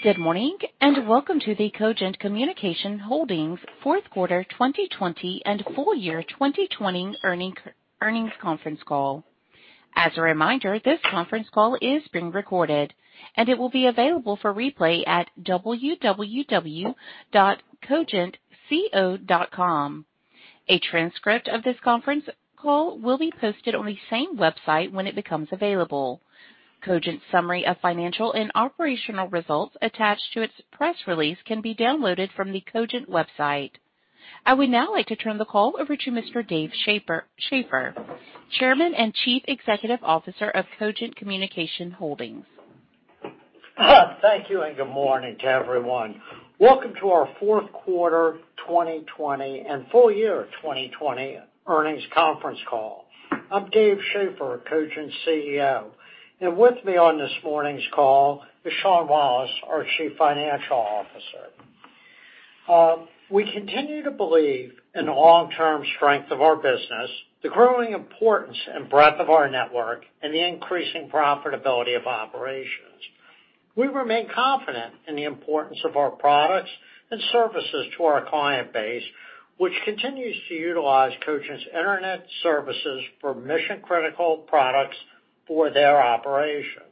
Good morning, and welcome to the Cogent Communications Holdings fourth quarter 2020 and full year 2020 earnings conference call. As a reminder, this conference call is being recorded, and it will be available for replay at www.cogentco.com. A transcript of this conference call will be posted on the same website when it becomes available. Cogent's summary of financial and operational results attached to its press release can be downloaded from the Cogent website. I would now like to turn the call over to Mr. Dave Schaeffer, Chairman and Chief Executive Officer of Cogent Communications Holdings. Thank you. Good morning to everyone? Welcome to our fourth quarter 2020 and full year 2020 earnings conference call. I'm Dave Schaeffer, Cogent's Chief Executive Officer, and with me on this morning's call is Sean Wallace, our Chief Financial Officer. We continue to believe in the long-term strength of our business, the growing importance and breadth of our network, and the increasing profitability of operations. We remain confident in the importance of our products and services to our client base, which continues to utilize Cogent's Internet services for mission-critical products for their operations.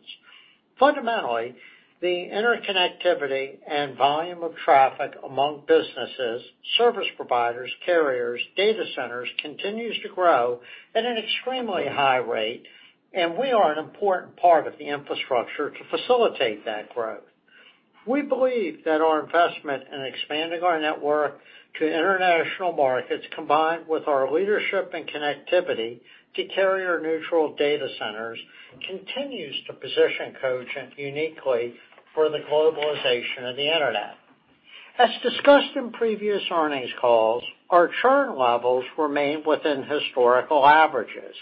Fundamentally, the interconnectivity and volume of traffic among businesses, service providers, carriers, data centers continues to grow at an extremely high rate, and we are an important part of the infrastructure to facilitate that growth. We believe that our investment in expanding our network to international markets, combined with our leadership and connectivity to carrier-neutral data centers, continues to position Cogent uniquely for the globalization of the Internet. As discussed in previous earnings calls, our churn levels remain within historical averages.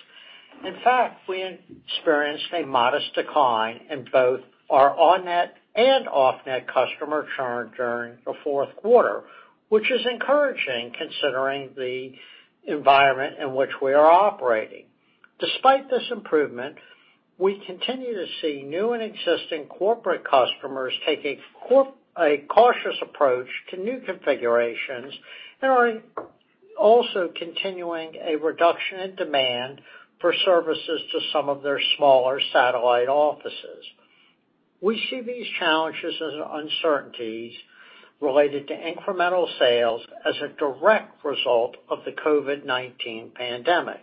In fact, we experienced a modest decline in both our on-net and off-net customer churn during the fourth quarter, which is encouraging considering the environment in which we are operating. Despite this improvement, we continue to see new and existing corporate customers take a cautious approach to new configurations and are also continuing a reduction in demand for services to some of their smaller satellite offices. We see these challenges as uncertainties related to incremental sales as a direct result of the COVID-19 pandemic.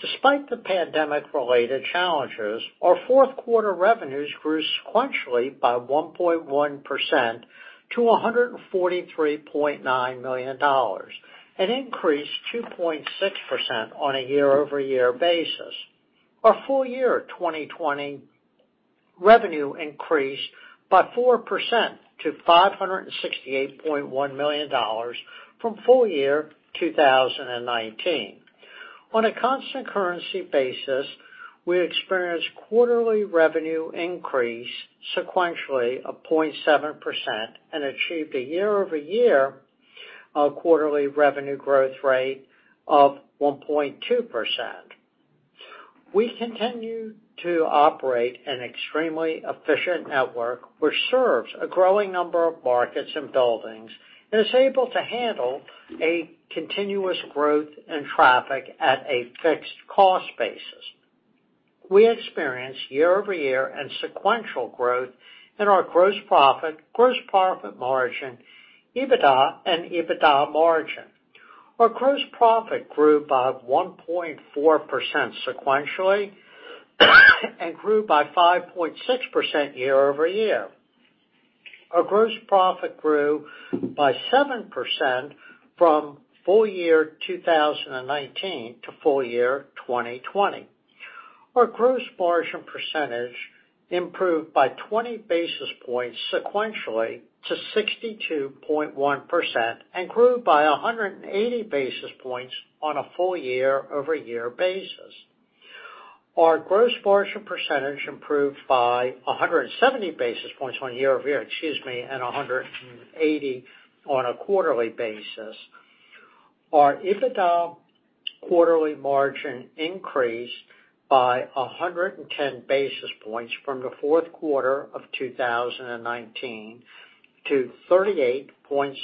Despite the pandemic-related challenges, our fourth quarter revenues grew sequentially by 1.1% to $143.9 million, an increase 2.6% on a year-over-year basis. Our full year 2020 revenue increased by 4% to $568.1 million from full year 2019. On a constant currency basis, we experienced quarterly revenue increase sequentially of 0.7% and achieved a year-over-year quarterly revenue growth rate of 1.2%. We continue to operate an extremely efficient network which serves a growing number of markets and buildings and is able to handle a continuous growth in traffic at a fixed cost basis. We experienced year-over-year and sequential growth in our gross profit, gross profit margin, EBITDA, and EBITDA margin. Our gross profit grew by 1.4% sequentially and grew by 5.6% year-over-year. Our gross profit grew by 7% from full year 2019 to full year 2020. Our gross margin percentage improved by 20 basis points sequentially to 62.1% and grew by 180 basis points on a full year-over-year basis. Our gross margin percentage improved by 170 basis points on a year-over-year, excuse me, and 180 basis points on a quarterly basis. Our EBITDA quarterly margin increased by 110 basis points from the fourth quarter of 2019 to 38.7%.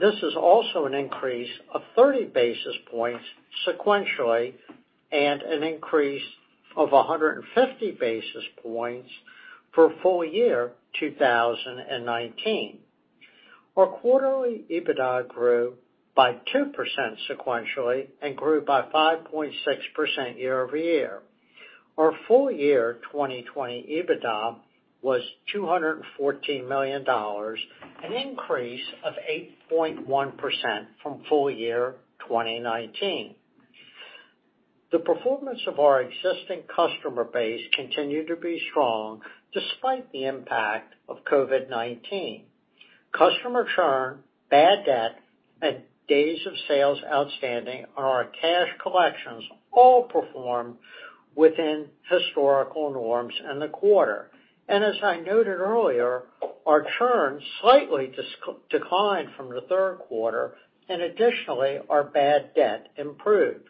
This is also an increase of 30 basis points sequentially and an increase of 150 basis points for full year 2019. Our quarterly EBITDA grew by 2% sequentially and grew by 5.6% year-over-year. Our full year 2020 EBITDA was $214 million, an increase of 8.1% from full year 2019. The performance of our existing customer base continued to be strong despite the impact of COVID-19. Customer churn, bad debt, and days of sales outstanding on our cash collections all performed within historical norms in the quarter. As I noted earlier, our churn slightly declined from the third quarter, and additionally, our bad debt improved.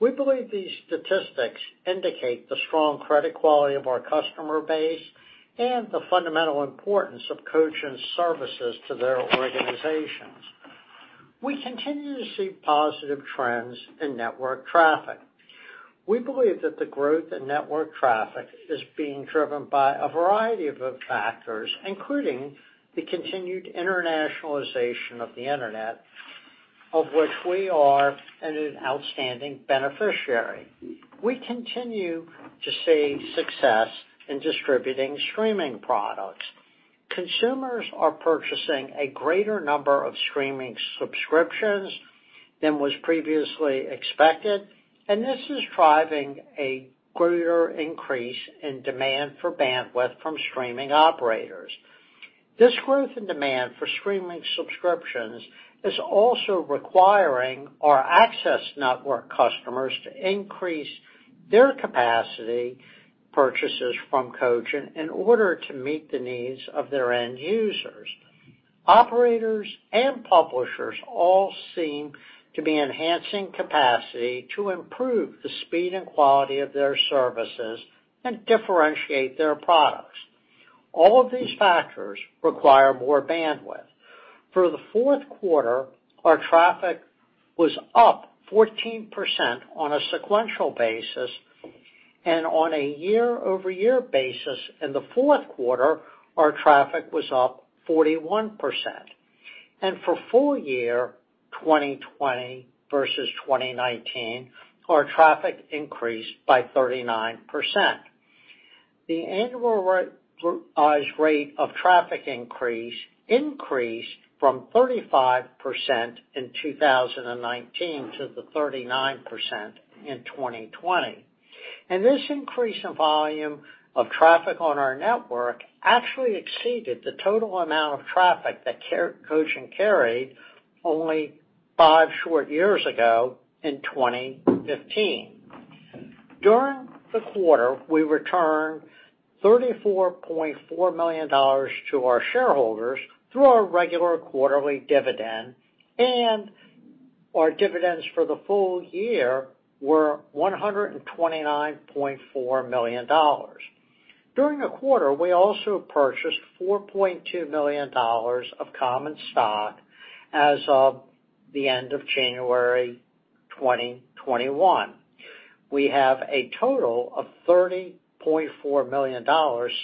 We believe these statistics indicate the strong credit quality of our customer base and the fundamental importance of Cogent's services to their organizations. We continue to see positive trends in network traffic. We believe that the growth in network traffic is being driven by a variety of factors, including the continued internationalization of the Internet, of which we are an outstanding beneficiary. We continue to see success in distributing streaming products. Consumers are purchasing a greater number of streaming subscriptions than was previously expected, and this is driving a greater increase in demand for bandwidth from streaming operators. This growth in demand for streaming subscriptions is also requiring our access network customers to increase their capacity purchases from Cogent Communications in order to meet the needs of their end users. Operators and publishers all seem to be enhancing capacity to improve the speed and quality of their services and differentiate their products. All of these factors require more bandwidth. For the fourth quarter, our traffic was up 14% on a sequential basis, and on a year-over-year basis in the fourth quarter, our traffic was up 41%. For full year 2020 versus 2019, our traffic increased by 39%. The annualized rate of traffic-increase, increased from 35% in 2019 to the 39% in 2020. This increase in volume of traffic on our network actually exceeded the total amount of traffic that Cogent Communications carried only five short years ago in 2015. During the quarter, we returned $34.4 million to our shareholders through our regular quarterly dividend, and our dividends for the full year were $129.4 million. During the quarter, we also purchased $4.2 million of common stock as of the end of January 2021. We have a total of $30.4 million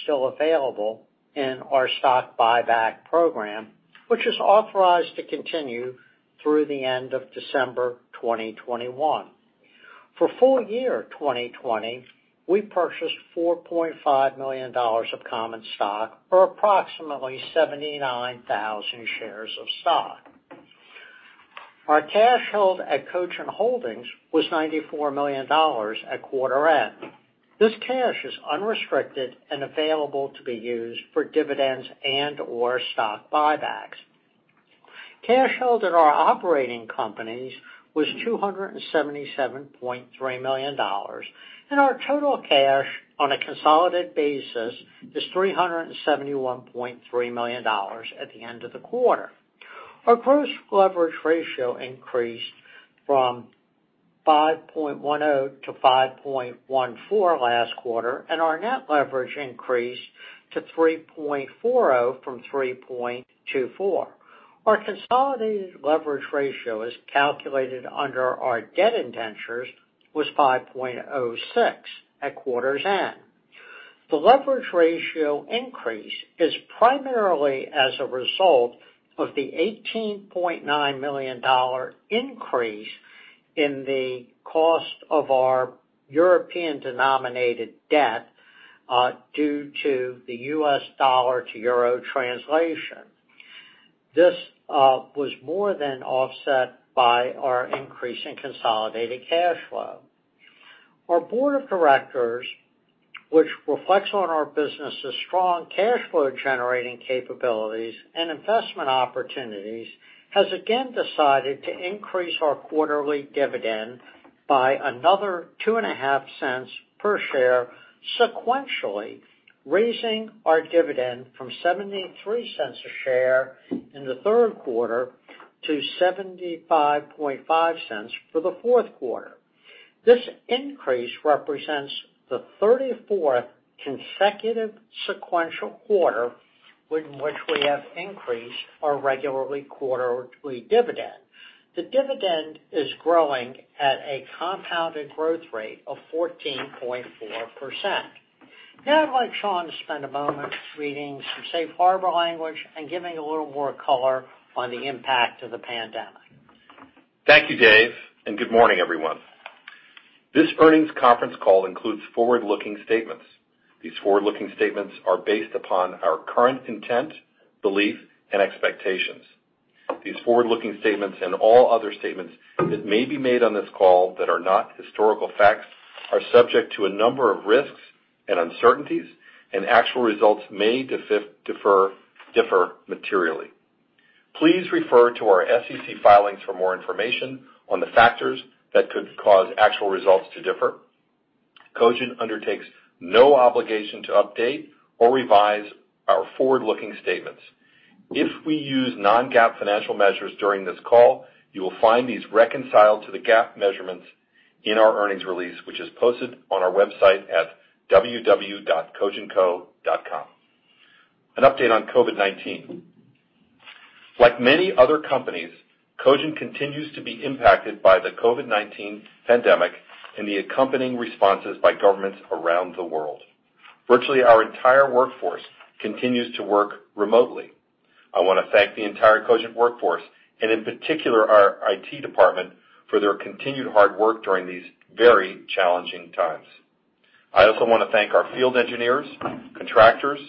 still available in our stock buyback program, which is authorized to continue through the end of December 2021. For full year 2020, we purchased $4.5 million of common stock, or approximately 79,000 shares of stock. Our cash held at Cogent Holdings was $94 million at quarter end. This cash is unrestricted and available to be used for dividends and/or stock buybacks. Cash held in our operating companies was $277.3 million, and our total cash on a consolidated basis is $371.3 million at the end of the quarter. Our gross leverage ratio increased from 5.10 to 5.14 last quarter, and our net leverage increased to 3.40 from 3.24. Our consolidated leverage ratio is calculated under our debt indentures was 5.06 at quarter's end. The leverage ratio increase is primarily as a result of the $18.9 million increase in the cost of our European-denominated debt due to the U.S. dollar to euro translation. This was more than offset by our increase in consolidated cash flow. Our Board of Directors, which reflects on our business' strong cash flow generating capabilities and investment opportunities, has again decided to increase our quarterly dividend by another $0.025 per share, sequentially, raising our dividend from $0.73 a share in the third quarter to $0.755 for the fourth quarter. This increase represents the 34th consecutive sequential quarter in which we have increased our regularly quarterly dividend. The dividend is growing at a compounded growth rate of 14.4%. Now I'd like Sean to spend a moment reading some safe harbor language and giving a little more color on the impact of the pandemic. Thank you, Dave, good morning everyone? This earnings conference call includes forward-looking statements. These forward-looking statements are based upon our current content, belief, and expectations. These forward-looking statements and all other statements that may be made on this call that are not historical facts are subject to a number of risks and uncertainties, actual results may differ materially. Please refer to our SEC filings for more information on the factors that could cause actual results to differ. Cogent undertakes no obligation to update or revise our forward-looking statements. If we use non-GAAP financial measures during this call, you will find these reconciled to the GAAP measurements in our earnings release, which is posted on our website at www.cogentco.com. An update on COVID-19. Like many other companies, Cogent continues to be impacted by the COVID-19 pandemic and the accompanying responses by governments around the world. Virtually our entire workforce continues to work remotely. I want to thank the entire Cogent workforce, and in particular our IT department, for their continued hard work during these very challenging times. I also want to thank our field engineers, contractors,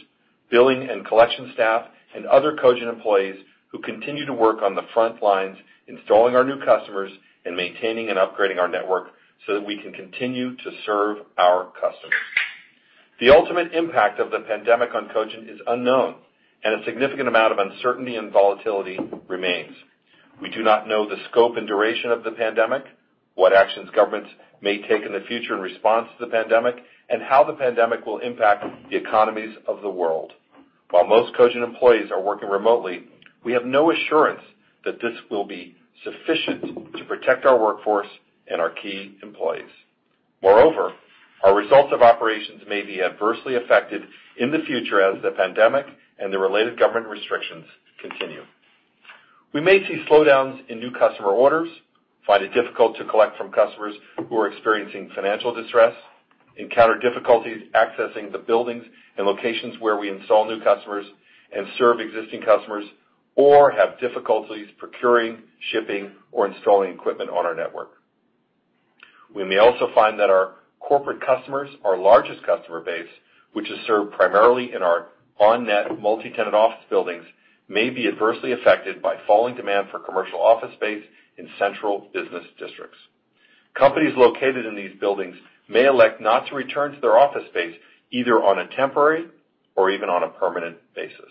billing and collection staff, and other Cogent employees who continue to work on the front lines, installing our new customers and maintaining and upgrading our network so that we can continue to serve our customers. The ultimate impact of the pandemic on Cogent is unknown, and a significant amount of uncertainty and volatility remains. We do not know the scope and duration of the pandemic, what actions governments may take in the future in response to the pandemic, and how the pandemic will impact the economies of the world. While most Cogent employees are working remotely, we have no assurance that this will be sufficient to protect our workforce and our key employees. Moreover, our results of operations may be adversely affected in the future as the pandemic and the related government restrictions continue. We may see slowdowns in new customer orders, find it difficult to collect from customers who are experiencing financial distress, encounter difficulties accessing the buildings and locations where we install new customers and serve existing customers, or have difficulties procuring, shipping, or installing equipment on our network. We may also find that our corporate customers, our largest customer base, which is served primarily in our on-net multi-tenant office buildings, may be adversely affected by falling demand for commercial office space in central business districts. Companies located in these buildings may elect not to return to their office space, either on a temporary or even on a permanent basis.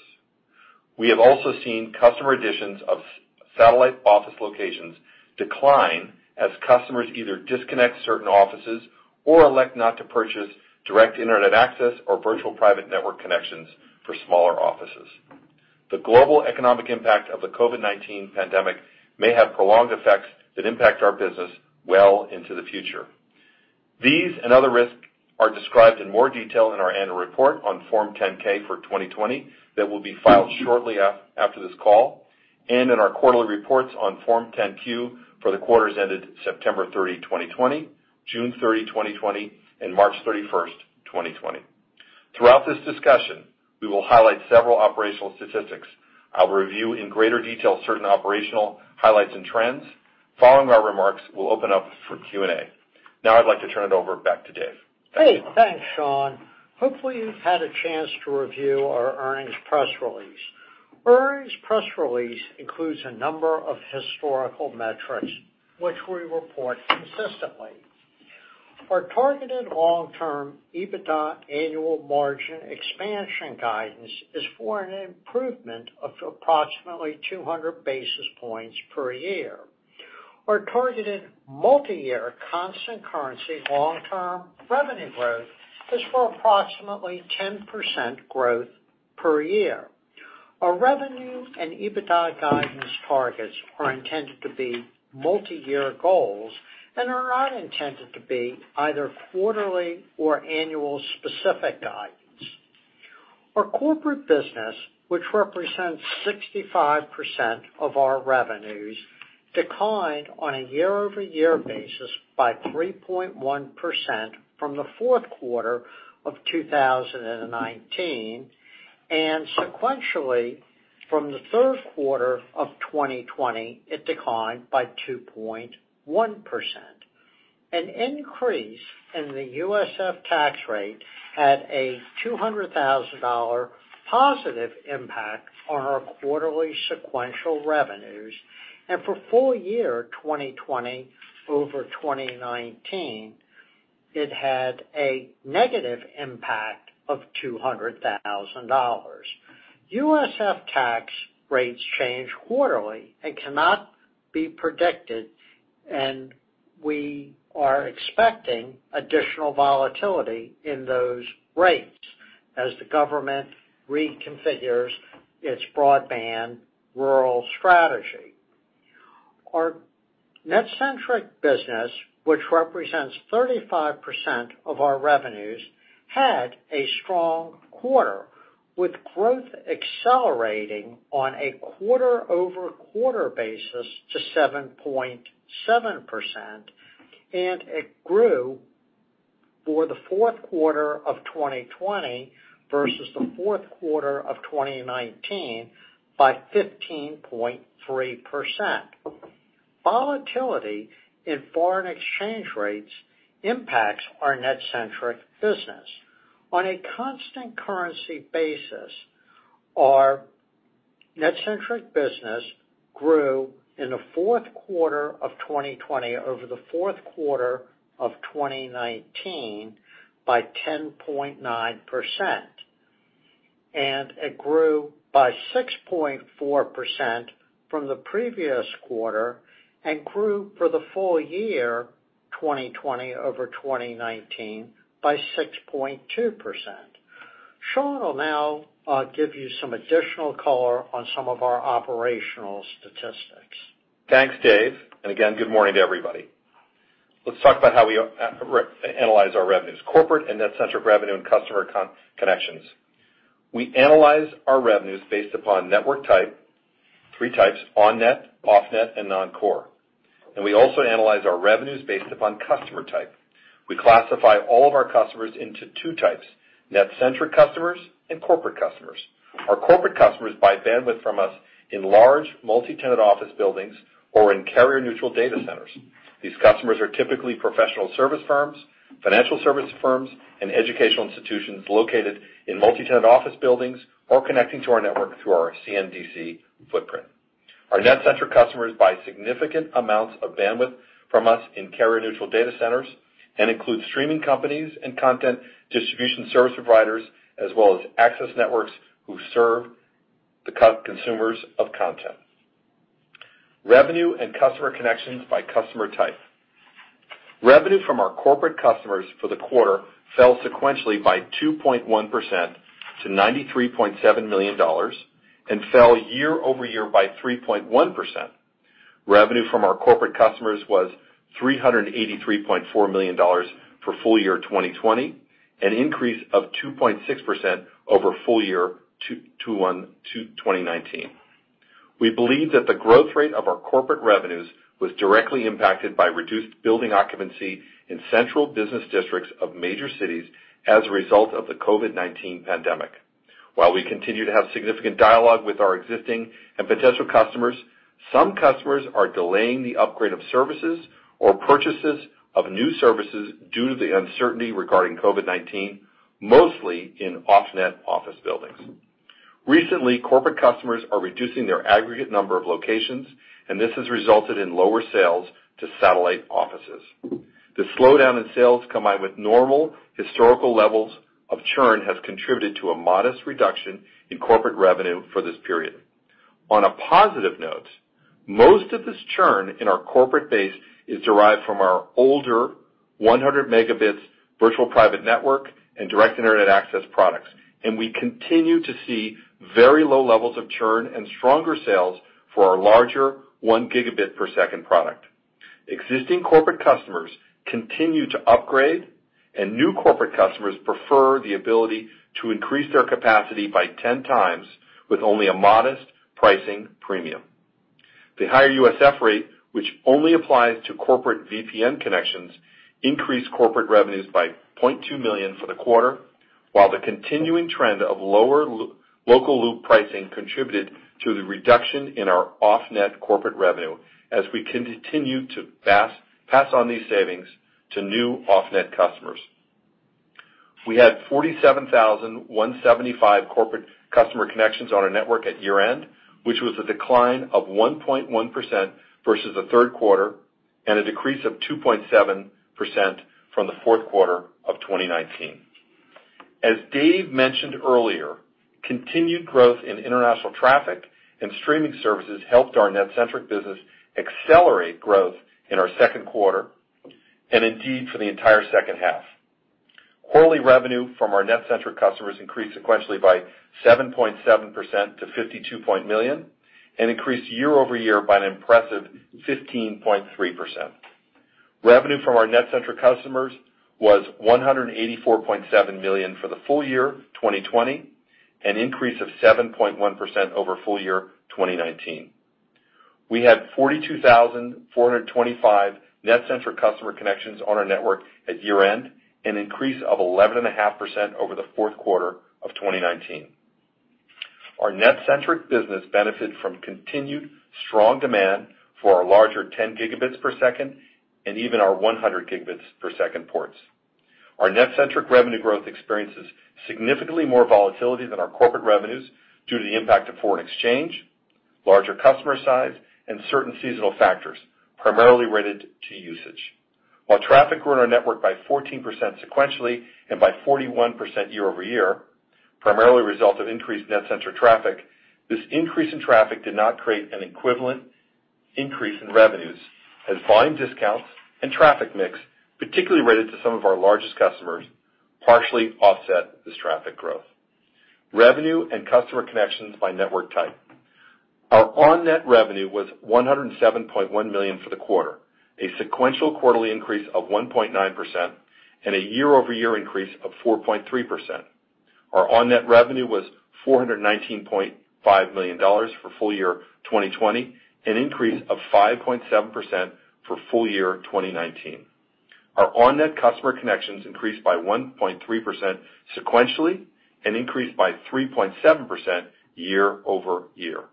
We have also seen customer additions of satellite office locations decline as customers either disconnect certain offices or elect not to purchase direct internet access or virtual private network connections for smaller offices. The global economic impact of the COVID-19 pandemic may have prolonged effects that impact our business well into the future. These and other risks are described in more detail in our annual report on Form 10-K for 2020 that will be filed shortly after this call, and in our quarterly reports on Form 10-Q for the quarters ended September 30, 2020, June 30, 2020, and March 31, 2020. Throughout this discussion, we will highlight several operational statistics. I'll review in greater detail certain operational highlights and trends. Following our remarks, we'll open up for Q&A. Now I'd like to turn it over back to Dave. Great. Thanks, Sean. Hopefully, you've had a chance to review our earnings press release. Earnings press release includes a number of historical metrics which we report consistently. Our targeted long-term EBITDA annual margin expansion guidance is for an improvement of approximately 200 basis points per year. Our targeted multi-year constant currency long-term revenue growth is for approximately 10% growth per year. Our revenue and EBITDA guidance targets are intended to be multi-year goals and are not intended to be either quarterly or annual specific guidance. Our corporate business, which represents 65% of our revenues, declined on a year-over-year basis by 3.1% from the fourth quarter of 2019, and sequentially from the third quarter of 2020, it declined by 2.1%. An increase in the USF tax rate had a $200,000 positive impact on our quarterly sequential revenues, and for full year 2020 over 2019, it had a negative impact of $200,000. USF tax rates change quarterly and cannot be predicted, and we are expecting additional volatility in those rates as the government reconfigures its broadband rural strategy. Our NetCentric business, which represents 35% of our revenues, had a strong quarter, with growth accelerating on a quarter-over-quarter basis to 7.7%, and it grew for the fourth quarter of 2020 versus the fourth quarter of 2019 by 15.3%. Volatility in foreign exchange rates impacts our NetCentric business. On a constant currency basis, our NetCentric business grew in the fourth quarter of 2020 over the fourth quarter of 2019 by 10.9%. It grew by 6.4% from the previous quarter, and grew for the full year 2020 over 2019 by 6.2%. Sean will now give you some additional color on some of our operational statistics. Thanks, Dave. Again, good morning to everybody? Let's talk about how we analyze our revenues, corporate and NetCentric revenue, and customer connections. We analyze our revenues based upon network type, three types, on-net, off-net, and non-core. We also analyze our revenues based upon customer type. We classify all of our customers into two types, NetCentric customers and corporate customers. Our corporate customers buy bandwidth from us in large multi-tenant office buildings or in carrier-neutral data centers. These customers are typically professional service firms, financial service firms, and educational institutions located in multi-tenant office buildings or connecting to our network through our CNDC footprint. Our NetCentric customers buy significant amounts of bandwidth from us in carrier-neutral data centers and includes streaming companies and content distribution service providers, as well as access networks who serve the consumers of content. Revenue and customer connections by customer type. Revenue from our corporate customers for the quarter fell sequentially by 2.1% to $93.7 million and fell year-over-year by 3.1%. Revenue from our corporate customers was $383.4 million for full year 2020, an increase of 2.6% over full year 2019. We believe that the growth rate of our corporate revenues was directly impacted by reduced building occupancy in central business districts of major cities as a result of the COVID-19 pandemic. While we continue to have significant dialogue with our existing and potential customers, some customers are delaying the upgrade of services or purchases of new services due to the uncertainty regarding COVID-19, mostly in off-net office buildings. Recently, corporate customers are reducing their aggregate number of locations, and this has resulted in lower sales to satellite offices. The slowdown in sales combined with normal historical levels of churn has contributed to a modest reduction in corporate revenue for this period. On a positive note, most of this churn in our corporate base is derived from our older 100 Mb virtual private network and direct internet access products, and we continue to see very low levels of churn and stronger sales for our larger 1 Gbps product. Existing corporate customers continue to upgrade, and new corporate customers prefer the ability to increase their capacity by 10x with only a modest pricing premium. The higher USF rate, which only applies to corporate VPN connections, increased corporate revenues by $0.2 million for the quarter, while the continuing trend of lower local loop pricing contributed to the reduction in our off-net corporate revenue as we continue to pass on these savings to new off-net customers. We had 47,175 corporate customer connections on our network at year-end, which was a decline of 1.1% versus the third quarter and a decrease of 2.7% from the fourth quarter of 2019. As Dave mentioned earlier, continued growth in international traffic and streaming services helped our NetCentric business accelerate growth in our second quarter, and indeed for the entire second half. Quarterly revenue from our NetCentric customers increased sequentially by 7.7% to $52 million and increased year-over-year by an impressive 15.3%. Revenue from our NetCentric customers was $184.7 million for the full year 2020, an increase of 7.1% over full year 2019. We had 42,425 NetCentric customer connections on our network at year-end, an increase of 11.5% over the fourth quarter of 2019. Our NetCentric business benefited from continued strong demand for our larger 10 Gbps and even our 100 Gbps ports. Our NetCentric revenue growth experiences significantly more volatility than our corporate revenues due to the impact of foreign exchange, larger customer size, and certain seasonal factors, primarily related to usage. While traffic grew in our network by 14% sequentially and by 41% year-over-year, primarily a result of increased NetCentric traffic, this increase in traffic did not create an equivalent increase in revenues as volume discounts and traffic mix, particularly related to some of our largest customers, partially offset this traffic growth. Revenue and customer connections by network type. Our on-net revenue was $107.1 million for the quarter, a sequential quarterly increase of 1.9% and a year-over-year increase of 4.3%. Our on-net revenue was $419.5 million for full year 2020, an increase of 5.7% for full year 2019. Our on-net customer connections increased by 1.3% sequentially and increased by 3.7% year-over-year.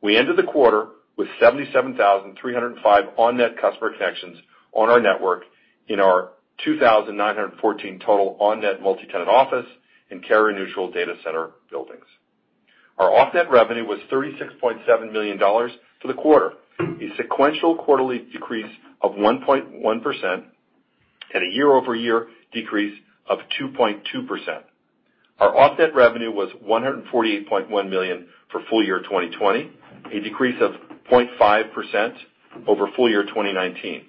We ended the quarter with 77,305 on-net customer connections on our network in our 2,914 total on-net multi-tenant office and carrier-neutral data center buildings. Our off-net revenue was $36.7 million for the quarter, a sequential quarterly decrease of 1.1% and a year-over-year decrease of 2.2%. Our off-net revenue was $148.1 million for full year 2020, a decrease of 0.5% over full year 2019.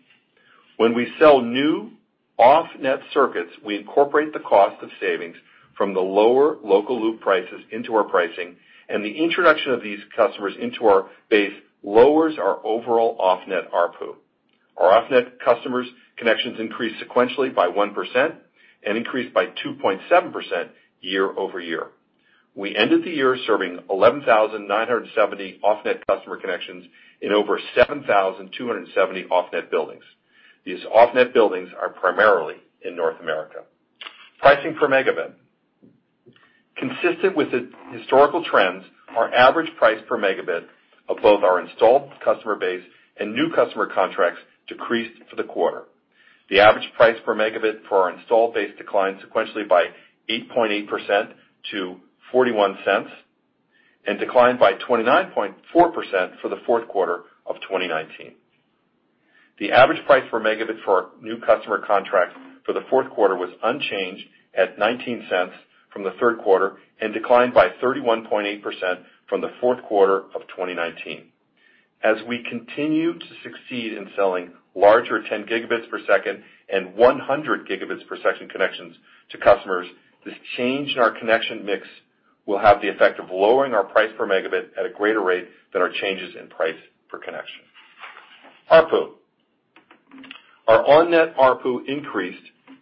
When we sell new off-net circuits, we incorporate the cost of savings from the lower local loop prices into our pricing, and the introduction of these customers into our base lowers our overall off-net ARPU. Our off-net customer connections increased sequentially by 1% and increased by 2.7% year-over-year. We ended the year serving 11,970 off-net customer connections in over 7,270 off-net buildings. These off-net buildings are primarily in North America. Pricing per megabit. Consistent with the historical trends, our average price per megabit of both our installed customer base and new customer contracts decreased for the quarter. The average price per megabit for our installed base declined sequentially by 8.8% to $0.41, and declined by 29.4% for the fourth quarter of 2019. The average price per megabit for our new customer contracts for the fourth quarter was unchanged at $0.19 from the third quarter and declined by 31.8% from the fourth quarter of 2019. As we continue to succeed in selling larger 10 Gbps and 100 Gbps connections to customers, this change in our connection mix will have the effect of lowering our price per megabit at a greater rate than our changes in price per connection. ARPU. Our on-net ARPU increased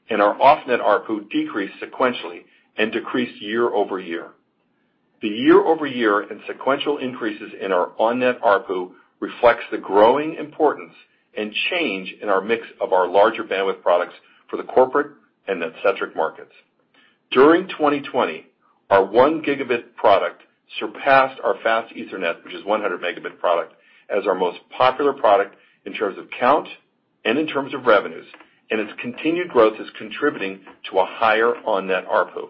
and our off-net ARPU decreased sequentially and decreased year-over-year. The year-over-year and sequential increases in our on-net ARPU reflects the growing importance and change in our mix of our larger bandwidth products for the corporate and NetCentric markets. During 2020, our 1 Gb product surpassed our Fast Ethernet, which is a 100 Mb product, as our most popular product in terms of count and in terms of revenues, and its continued growth is contributing to a higher on-net ARPU.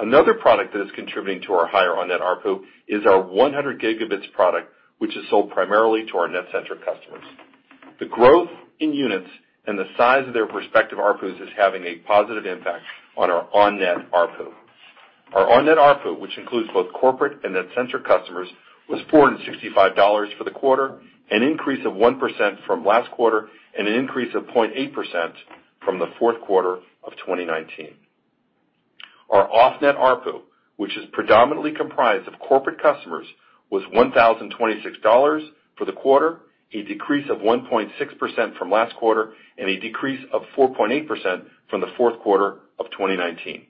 Another product that is contributing to our higher on-net ARPU is our 100 Gb product, which is sold primarily to our NetCentric customers. The growth in units and the size of their respective ARPUs is having a positive impact on our on-net ARPU. Our on-net ARPU, which includes both corporate and NetCentric customers, was $465 for the quarter, an increase of 1% from last quarter, and an increase of 0.8% from the fourth quarter of 2019. Our off-net ARPU, which is predominantly comprised of corporate customers, was $1,026 for the quarter, a decrease of 1.6% from last quarter, and a decrease of 4.8% from the fourth quarter of 2019.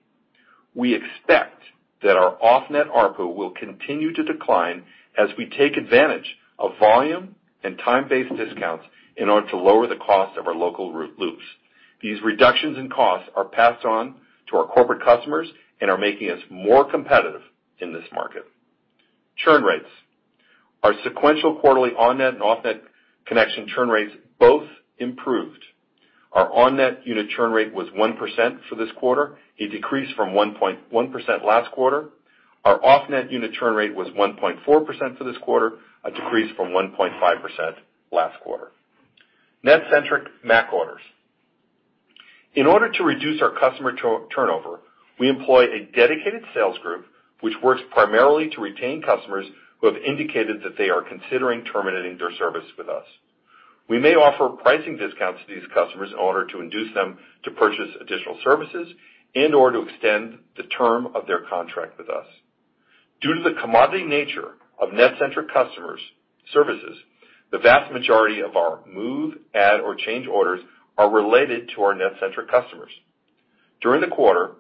We expect that our off-net ARPU will continue to decline as we take advantage of volume and time-based discounts in order to lower the cost of our local loops. These reductions in costs are passed on to our corporate customers and are making us more competitive in this market. Churn rates. Our sequential quarterly on-net and off-net connection churn rates both improved. Our on-net unit churn rate was 1% for this quarter, a decrease from 1.1% last quarter. Our off-net unit churn rate was 1.4% for this quarter, a decrease from 1.5% last quarter. NetCentric MAC orders. In order to reduce our customer turnover, we employ a dedicated sales group, which works primarily to retain customers who have indicated that they are considering terminating their service with us. We may offer pricing discounts to these customers in order to induce them to purchase additional services and/or to extend the term of their contract with us. Due to the commodity nature of NetCentric customers services, the vast majority of our move, add, or change orders are related to our NetCentric customers. During the quarter,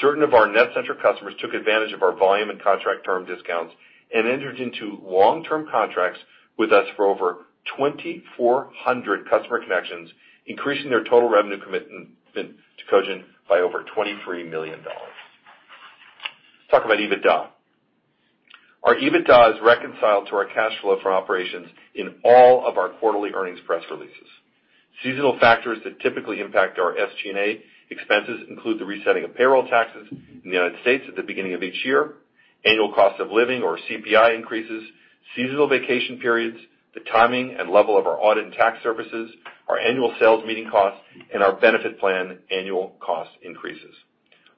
certain of our NetCentric customers took advantage of our volume and contract term discounts and entered into long-term contracts with us for over 2,400 customer connections, increasing their total revenue commitment to Cogent by over $23 million. Let's talk about EBITDA. Our EBITDA is reconciled to our cash flow from operations in all of our quarterly earnings press releases. Seasonal factors that typically impact our SG&A expenses include the resetting of payroll taxes in the United States at the beginning of each year, annual cost of living or CPI increases, seasonal vacation periods, the timing and level of our audit and tax services, our annual sales meeting costs, and our benefit plan annual cost increases.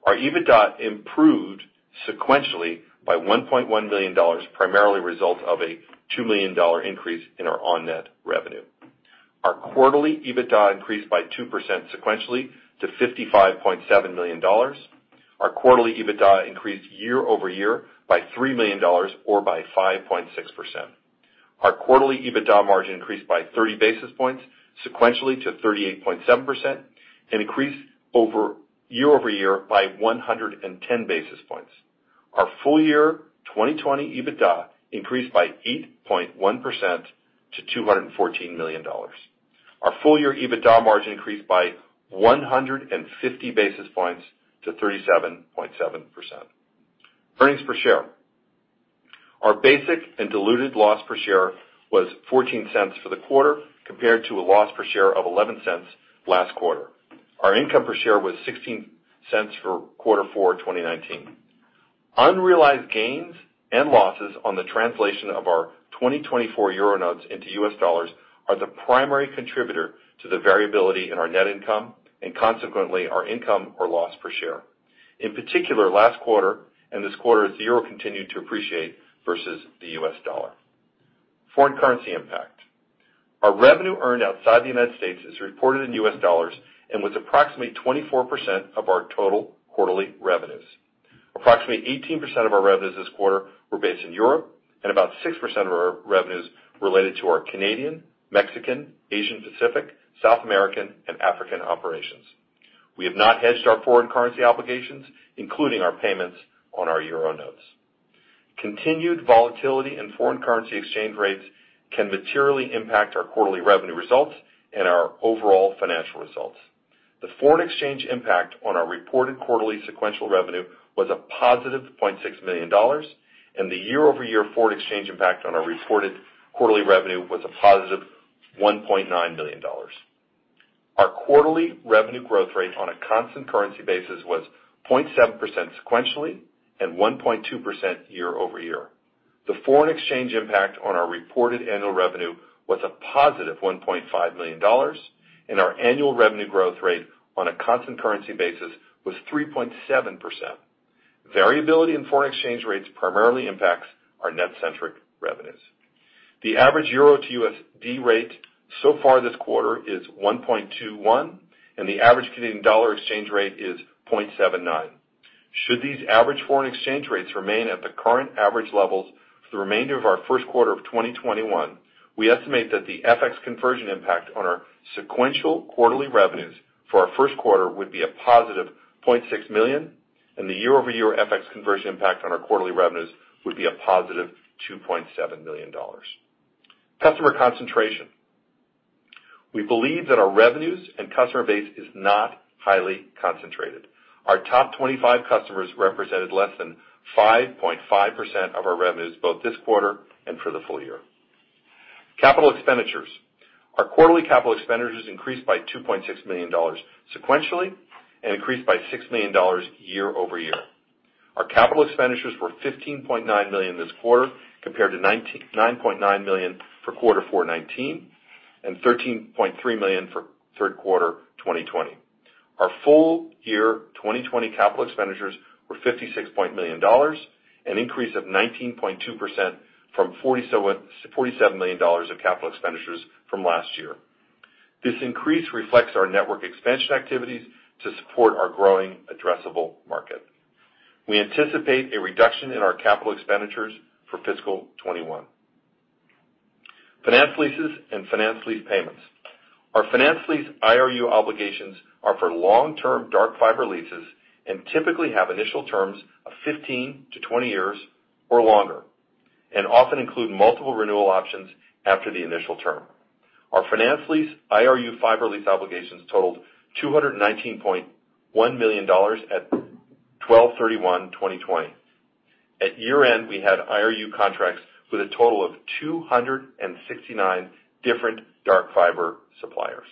Our EBITDA improved sequentially by $1.1 million, primarily a result of a $2 million increase in our on-net revenue. Our quarterly EBITDA increased by 2% sequentially to $55.7 million. Our quarterly EBITDA increased year-over-year by $3 million or by 5.6%. Our quarterly EBITDA margin increased by 30 basis points sequentially to 38.7% and increased year-over-year by 110 basis points. Our full year 2020 EBITDA increased by 8.1% to $214 million. Our full-year EBITDA margin increased by 150 basis points to 37.7%. Earnings per share. Our basic and diluted loss per share was $0.14 for the quarter, compared to a loss per share of $0.11 last quarter. Our income per share was $0.16 for quarter four 2019. Unrealized gains and losses on the translation of our 2024 euro notes into U.S. Dollars are the primary contributor to the variability in our net income, and consequently, our income or loss per share, in particular last quarter and this quarter as the euro continued to appreciate versus the US dollar. Foreign currency impact. Our revenue earned outside the U.S. is reported in U.S. dollars and was approximately 24% of our total quarterly revenues. Approximately 18% of our revenues this quarter were based in Europe, and about 6% of our revenues related to our Canadian, Mexican, Asia-Pacific, South American and African operations. We have not hedged our foreign currency obligations, including our payments on our euro notes. Continued volatility in foreign currency exchange rates can materially impact our quarterly revenue results and our overall financial results. The foreign exchange impact on our reported quarterly sequential revenue was a positive $0.6 million, and the year-over-year foreign exchange impact on our reported quarterly revenue was a positive $1.9 million. Our quarterly revenue growth rate on a constant currency basis was 0.7% sequentially and 1.2% year-over-year. The foreign exchange impact on our reported annual revenue was a $+1.5 million, and our annual revenue growth rate on a constant currency basis was 3.7%. Variability in foreign exchange rates primarily impacts our NetCentric revenues. The average euro to USD rate so far this quarter is 1.21, and the average Canadian dollar exchange rate is 0.79. Should these average foreign exchange rates remain at the current average levels for the remainder of our first quarter of 2021, we estimate that the FX conversion impact on our sequential quarterly revenues for our first quarter would be a positive $0.6 million, and the year-over-year FX conversion impact on our quarterly revenues would be a positive $2.7 million. Customer concentration. We believe that our revenues and customer base is not highly concentrated. Our top 25 customers represented less than 5.5% of our revenues both this quarter and for the full year. Capital expenditures. Our quarterly capital expenditures increased by $2.6 million sequentially and increased by $6 million year-over-year. Our capital expenditures were $15.9 million this quarter, compared to $9.9 million for quarter four 2019 and $13.3 million for third quarter 2020. Our full year 2020 capital expenditures were $56 million, an increase of 19.2% from $47 million of capital expenditures from last year. This increase reflects our network expansion activities to support our growing addressable market. We anticipate a reduction in our capital expenditures for fiscal 2021. Finance leases and finance lease payments. Our finance lease IRU obligations are for long-term dark fiber leases and typically have initial terms of 15 years-20 years or longer and often include multiple renewal options after the initial term. Our finance lease IRU fiber lease obligations totaled $219.1 million at 12/31/2020. At year-end, we had IRU contracts with a total of 269 different dark fiber suppliers.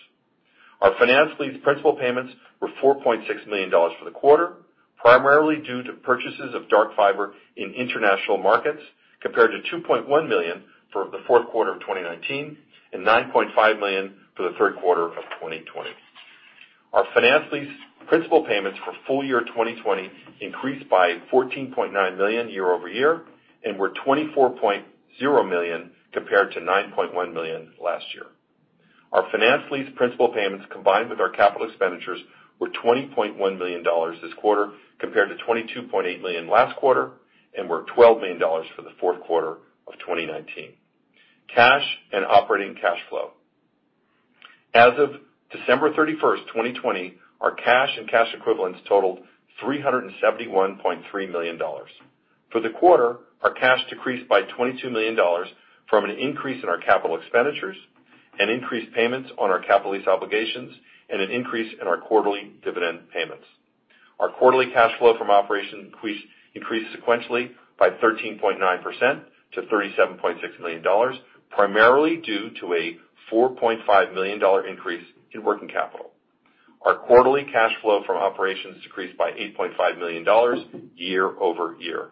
Our finance lease principal payments were $4.6 million for the quarter, primarily due to purchases of dark fiber in international markets, compared to $2.1 million for the fourth quarter of 2019 and $9.5 million for the third quarter of 2020. Our finance lease principal payments for full year 2020 increased by $14.9 million year-over-year and were $24.0 million compared to $9.1 million last year. Our finance lease principal payments, combined with our capital expenditures, were $20.1 million this quarter, compared to $22.8 million last quarter, and were $12 million for the fourth quarter of 2019. Cash and operating cash flow. As of December 31, 2020, our cash and cash equivalents totaled $371.3 million. For the quarter, our cash decreased by $22 million from an increase in our capital expenditures and increased payments on our capital lease obligations and an increase in our quarterly dividend payments. Our quarterly cash flow from operations increased sequentially by 13.9% to $37.6 million, primarily due to a $4.5 million increase in working capital. Our quarterly cash flow from operations decreased by $8.5 million year-over-year.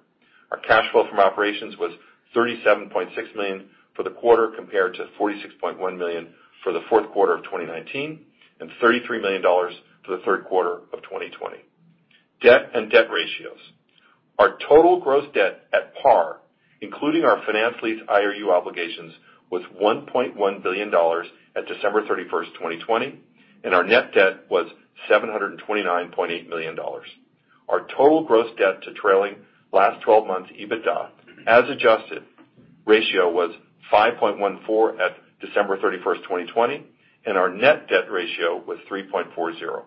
Our cash flow from operations was $37.6 million for the quarter, compared to $46.1 million for the fourth quarter of 2019 and $33 million for the third quarter of 2020. Debt and debt ratios. Our total gross debt at par, including our finance lease IRU obligations, was $1.1 billion at December 31, 2020, and our net debt was $729.8 million. Our total gross debt to trailing last 12 months EBITDA, as adjusted, ratio was 5.14 at December 31, 2020, and our net debt ratio was 3.40.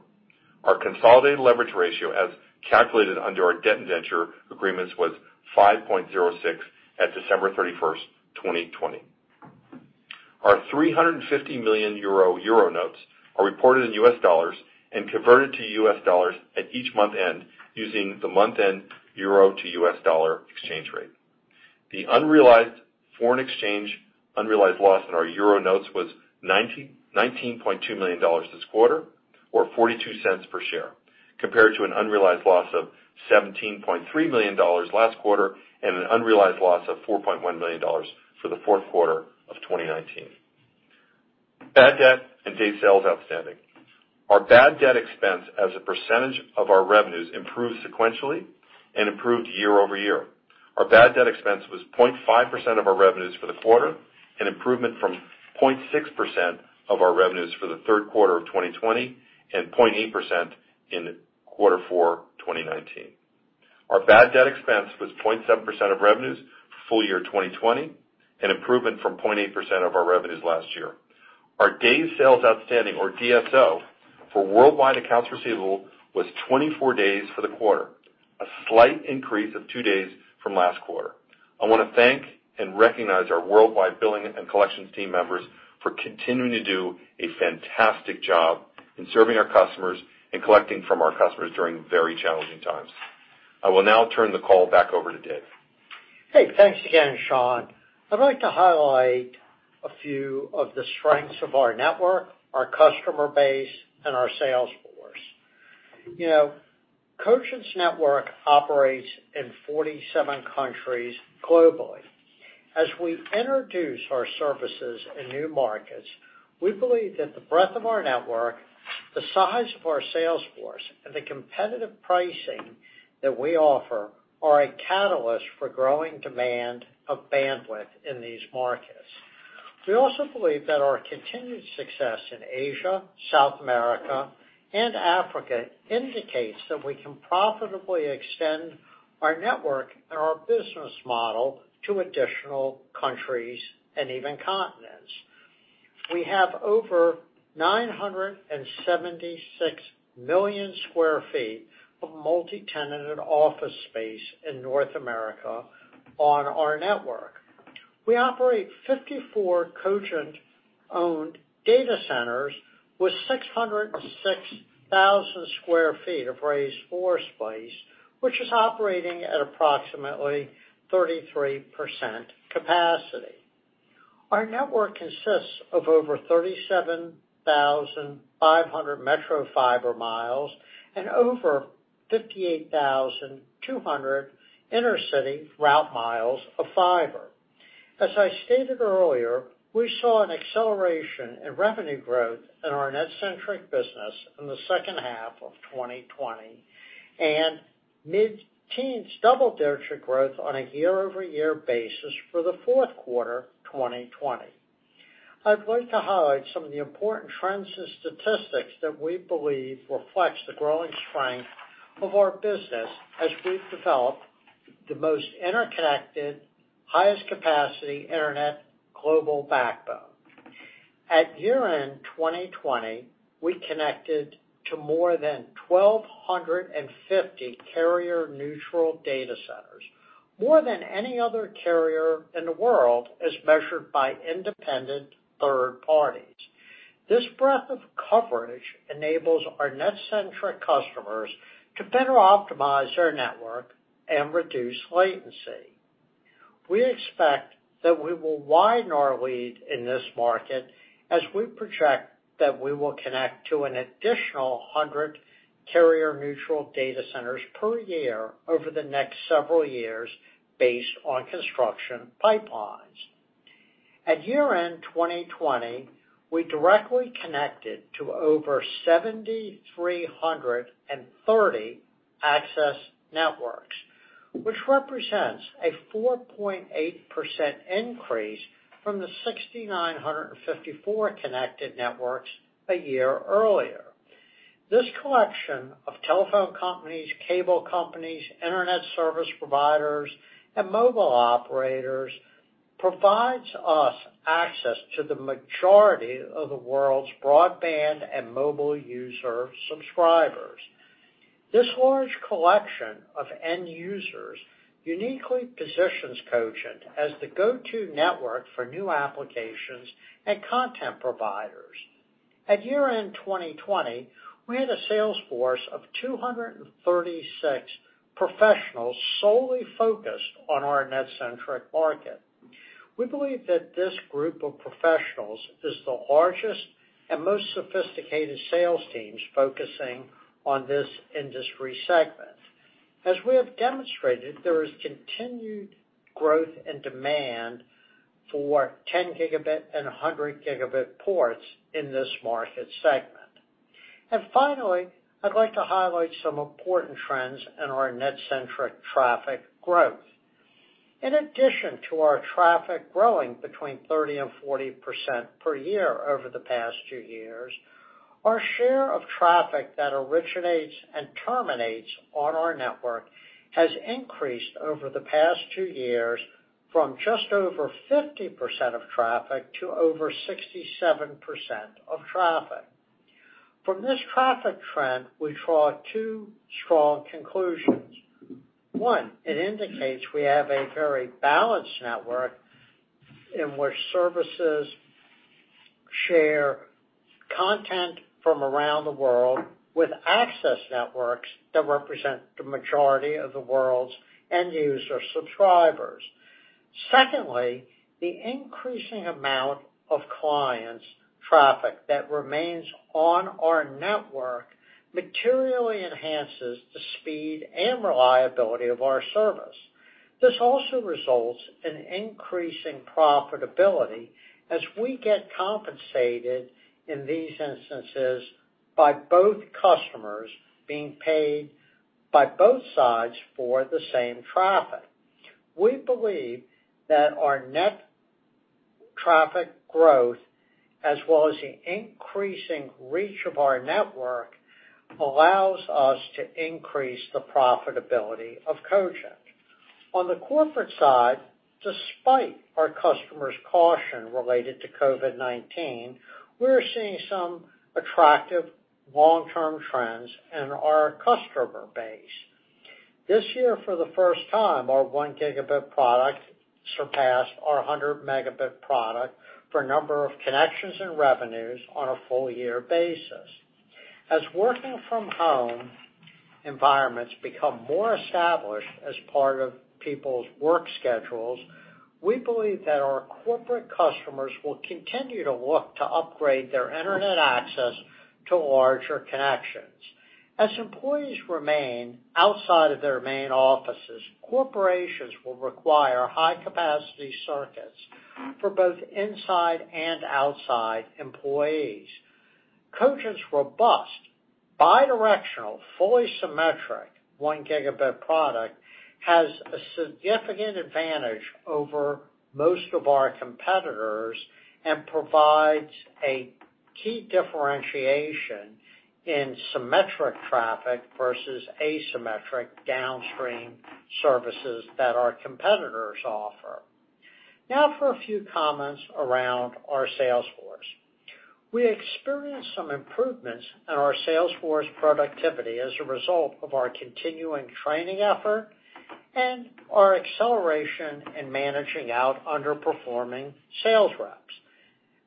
Our consolidated leverage ratio, as calculated under our debt indenture agreements, was 5.06 at December 31, 2020. Our 350 million euro notes are reported in U.S. dollars and converted to U.S. dollars at each month-end using the month-end euro to U.S. dollar exchange rate. The unrealized foreign exchange unrealized loss in our euro notes was $19.2 million this quarter, or $0.42 per share, compared to an unrealized loss of $17.3 million last quarter and an unrealized loss of $4.1 million for the fourth quarter of 2019. Bad debt and days sales outstanding. Our bad debt expense as a percentage of our revenues improved sequentially and improved year-over-year. Our bad debt expense was 0.5% of our revenues for the quarter, an improvement from 0.6% of our revenues for the third quarter of 2020 and 0.8% in quarter four 2019. Our bad debt expense was 0.7% of revenues full year 2020, an improvement from 0.8% of our revenues last year. Our days sales outstanding, or DSO, for worldwide accounts receivable was 24 days for the quarter, a slight increase of two days from last quarter. I want to thank and recognize our worldwide billing and collections team members for continuing to do a fantastic job in serving our customers and collecting from our customers during very challenging times. I will now turn the call back over to Dave. Hey, thanks again, Sean. I'd like to highlight a few of the strengths of our network, our customer base, and our sales force. Cogent's network operates in 47 countries globally. As we introduce our services in new markets, we believe that the breadth of our network, the size of our sales force, and the competitive pricing that we offer are a catalyst for growing demand of bandwidth in these markets. We also believe that our continued success in Asia, South America, and Africa indicates that we can profitably extend our network and our business model to additional countries and even continents. We have over 976 million sq ft of multi-tenanted office space in North America on our network. We operate 54 Cogent-owned data centers with 606,000 sq ft of raised floor space, which is operating at approximately 33% capacity. Our network consists of over 37,500 metro fiber mi and over 58,200 intercity route mi of fiber. As I stated earlier, we saw an acceleration in revenue growth in our NetCentric business in the second half of 2020, and mid-teens double-digit growth on a year-over-year basis for the fourth quarter 2020. I'd like to highlight some of the important trends and statistics that we believe reflects the growing strength of our business as we've developed the most interconnected, highest capacity Internet global backbone. At year-end 2020, we connected to more than 1,250 carrier-neutral data centers, more than any other carrier in the world as measured by independent third parties. This breadth of coverage enables our NetCentric customers to better optimize their network and reduce latency. We expect that we will widen our lead in this market as we project that we will connect to an additional 100 carrier-neutral data centers per year over the next several years based on construction pipelines. At year-end 2020, we directly connected to over 7,330 access networks, which represents a 4.8% increase from the 6,954 connected networks a year earlier. This collection of telephone companies, cable companies, Internet service providers, and mobile operators provides us access to the majority of the world's broadband and mobile user subscribers. This large collection of end users uniquely positions Cogent as the go-to network for new applications and content providers. At year-end 2020, we had a sales force of 236 professionals solely focused on our NetCentric market. We believe that this group of professionals is the largest and most sophisticated sales teams focusing on this industry segment. As we have demonstrated, there is continued growth and demand for 10 Gb and 100 Gb ports in this market segment. Finally, I'd like to highlight some important trends in our NetCentric traffic growth. In addition to our traffic growing between 30% and 40% per year over the past two years, our share of traffic that originates and terminates on our network has increased over the past two years from just over 50% of traffic to over 67% of traffic. From this traffic trend, we draw two strong conclusions. One, it indicates we have a very balanced network in which services share content from around the world with access networks that represent the majority of the world's end user subscribers. Secondly, the increasing amount of clients traffic that remains on our network materially enhances the speed and reliability of our service. This also results in increasing profitability as we get compensated in these instances by both customers being paid by both sides for the same traffic. We believe that our net traffic growth, as well as the increasing reach of our network, allows us to increase the profitability of Cogent. On the corporate side, despite our customers' caution related to COVID-19, we're seeing some attractive long-term trends in our customer base. This year, for the first time, our 1 Gb product surpassed our 100 Mb product for number of connections and revenues on a full year basis. As working from home environments become more established as part of people's work schedules, we believe that our corporate customers will continue to look to upgrade their internet access to larger connections. As employees remain outside of their main offices, corporations will require high-capacity circuits for both inside and outside employees. Cogent Communications's robust, bi-directional, fully symmetric 1 Gb product has a significant advantage over most of our competitors and provides a key differentiation in symmetric traffic versus asymmetric downstream services that our competitors offer. Now for a few comments around our sales force. We experienced some improvements in our sales force productivity as a result of our continuing training effort and our acceleration in managing out underperforming sales reps.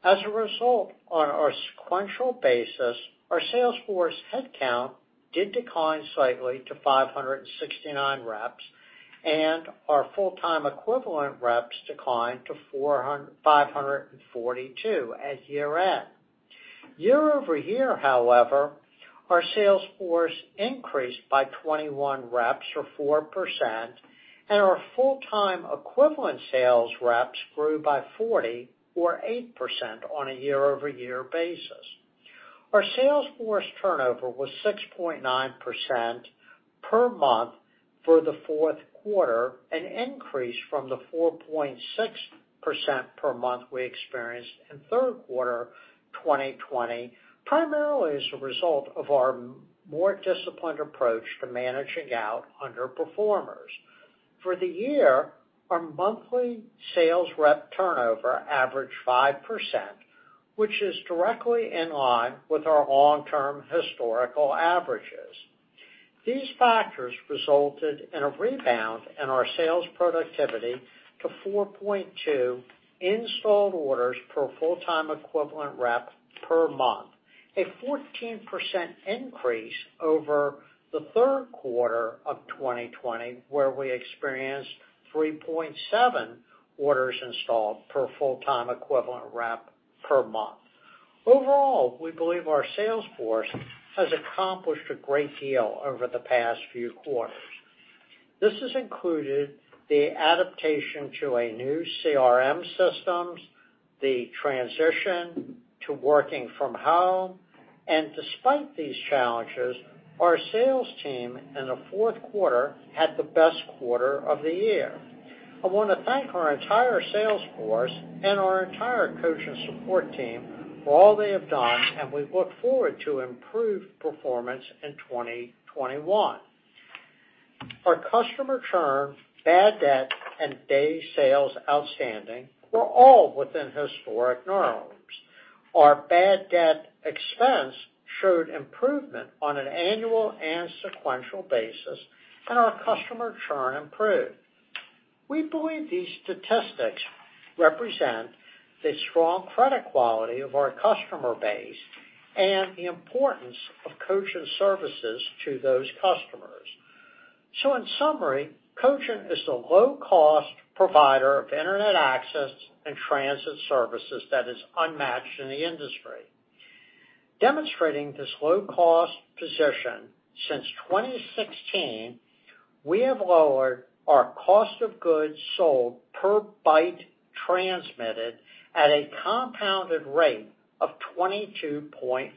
As a result, on a sequential basis, our sales force headcount did decline slightly to 569 reps, and our full-time equivalent reps declined to 542 at year-end. Year-over-year, however, our sales force increased by 21 reps or 4%, and our full-time equivalent sales reps grew by 40 reps or 8% on a year-over-year basis. Our sales force turnover was 6.9% per month for the fourth quarter, an increase from the 4.6% per month we experienced in third quarter 2020, primarily as a result of our more disciplined approach to managing out underperformers. For the year, our monthly sales rep turnover averaged 5%, which is directly in line with our long-term historical averages. These factors resulted in a rebound in our sales productivity to 4.2 installed orders per full-time equivalent rep per month, a 14% increase over the third quarter of 2020, where we experienced 3.7 orders installed per full-time equivalent rep per month. Overall, we believe our sales force has accomplished a great deal over the past few quarters. This has included the adaptation to a new CRM systems, the transition to working from home, and despite these challenges, our sales team in the fourth quarter had the best quarter of the year. I want to thank our entire sales force and our entire coaching support team for all they have done. We look forward to improved performance in 2021. Our customer churn, bad debt, and day sales outstanding were all within historic norms. Our bad debt expense showed improvement on an annual and sequential basis. Our customer churn improved. We believe these statistics represent the strong credit quality of our customer base and the importance of Cogent services to those customers. In summary, Cogent is the low-cost provider of internet access and transit services that is unmatched in the industry. Demonstrating this low-cost position, since 2016, we have lowered our cost of goods sold per byte transmitted at a compounded rate of 22.5%.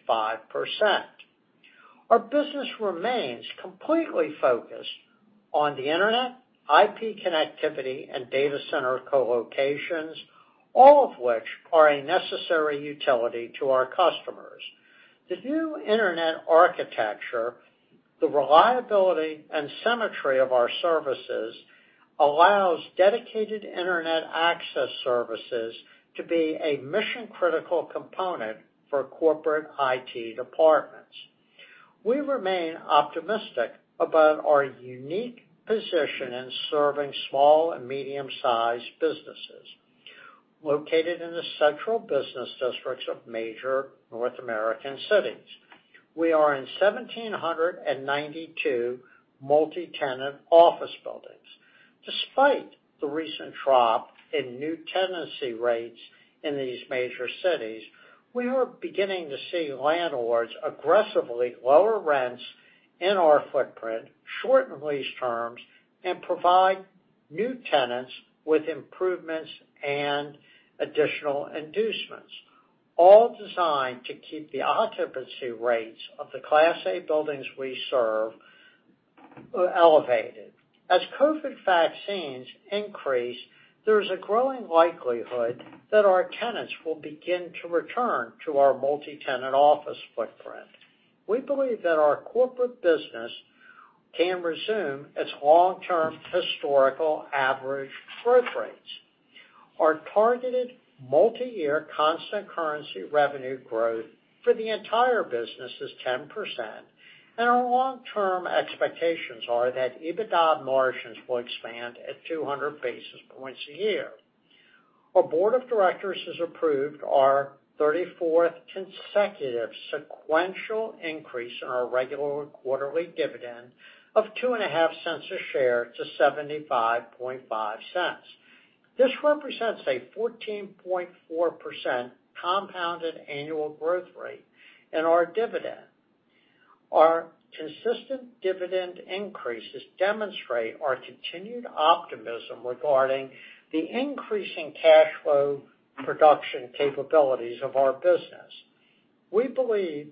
Our business remains completely focused on the internet, IP connectivity, and data center colocations, all of which are a necessary utility to our customers. The new Internet architecture, the reliability, and symmetry of our services allows dedicated Internet access services to be a mission-critical component for corporate IT departments. We remain optimistic about our unique position in serving small and medium-sized businesses located in the central business districts of major North American cities. We are in 1,792 multi-tenant office buildings. Despite the recent drop in new tenancy rates in these major cities, we are beginning to see landlords aggressively lower rents in our footprint, shorten lease terms, and provide new tenants with improvements and additional inducements, all designed to keep the occupancy rates of the Class A buildings we serve elevated. As COVID vaccines increase, there is a growing likelihood that our tenants will begin to return to our multi-tenant office footprint. We believe that our corporate business can resume its long-term historical average growth rates. Our targeted multi-year constant currency revenue growth for the entire business is 10%, and our long-term expectations are that EBITDA margins will expand at 200 basis points a year. Our Board of Directors has approved our 34th consecutive sequential increase in our regular quarterly dividend of $0.025 a share to $0.755. This represents a 14.4% compounded annual growth rate in our dividend. Our consistent dividend increases demonstrate our continued optimism regarding the increasing cash flow production capabilities of our business. We believe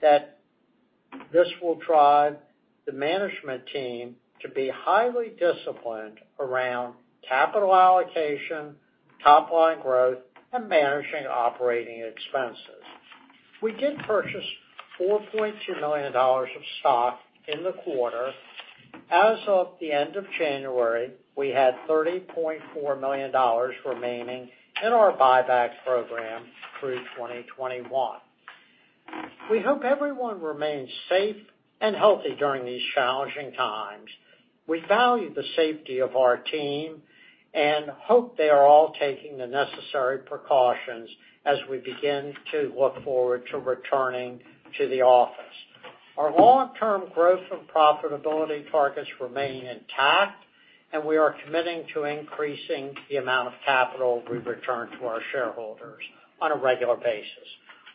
that this will drive the management team to be highly disciplined around capital allocation, top-line growth, and managing operating expenses. We did purchase $4.2 million of stock in the quarter. As of the end of January, we had $30.4 million remaining in our buyback program through 2021. We hope everyone remains safe and healthy during these challenging times. We value the safety of our team and hope they are all taking the necessary precautions as we begin to look forward to returning to the office. Our long-term growth and profitability targets remain intact, and we are committing to increasing the amount of capital we return to our shareholders on a regular basis.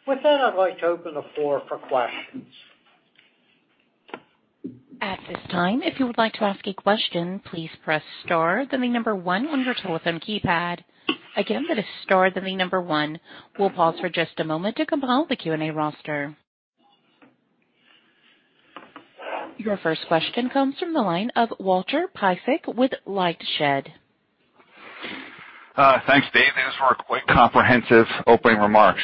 With that, I'd like to open the floor for questions. At this time, if you would like to ask a question, please press star, then the number one on your telephone keypad. Again, that is star, then the number one. We'll pause for just a moment to compile the Q&A roster. Your first question comes from the line of Walter Piecyk with LightShed. Thanks, Dave. Thanks for our quick comprehensive opening remarks.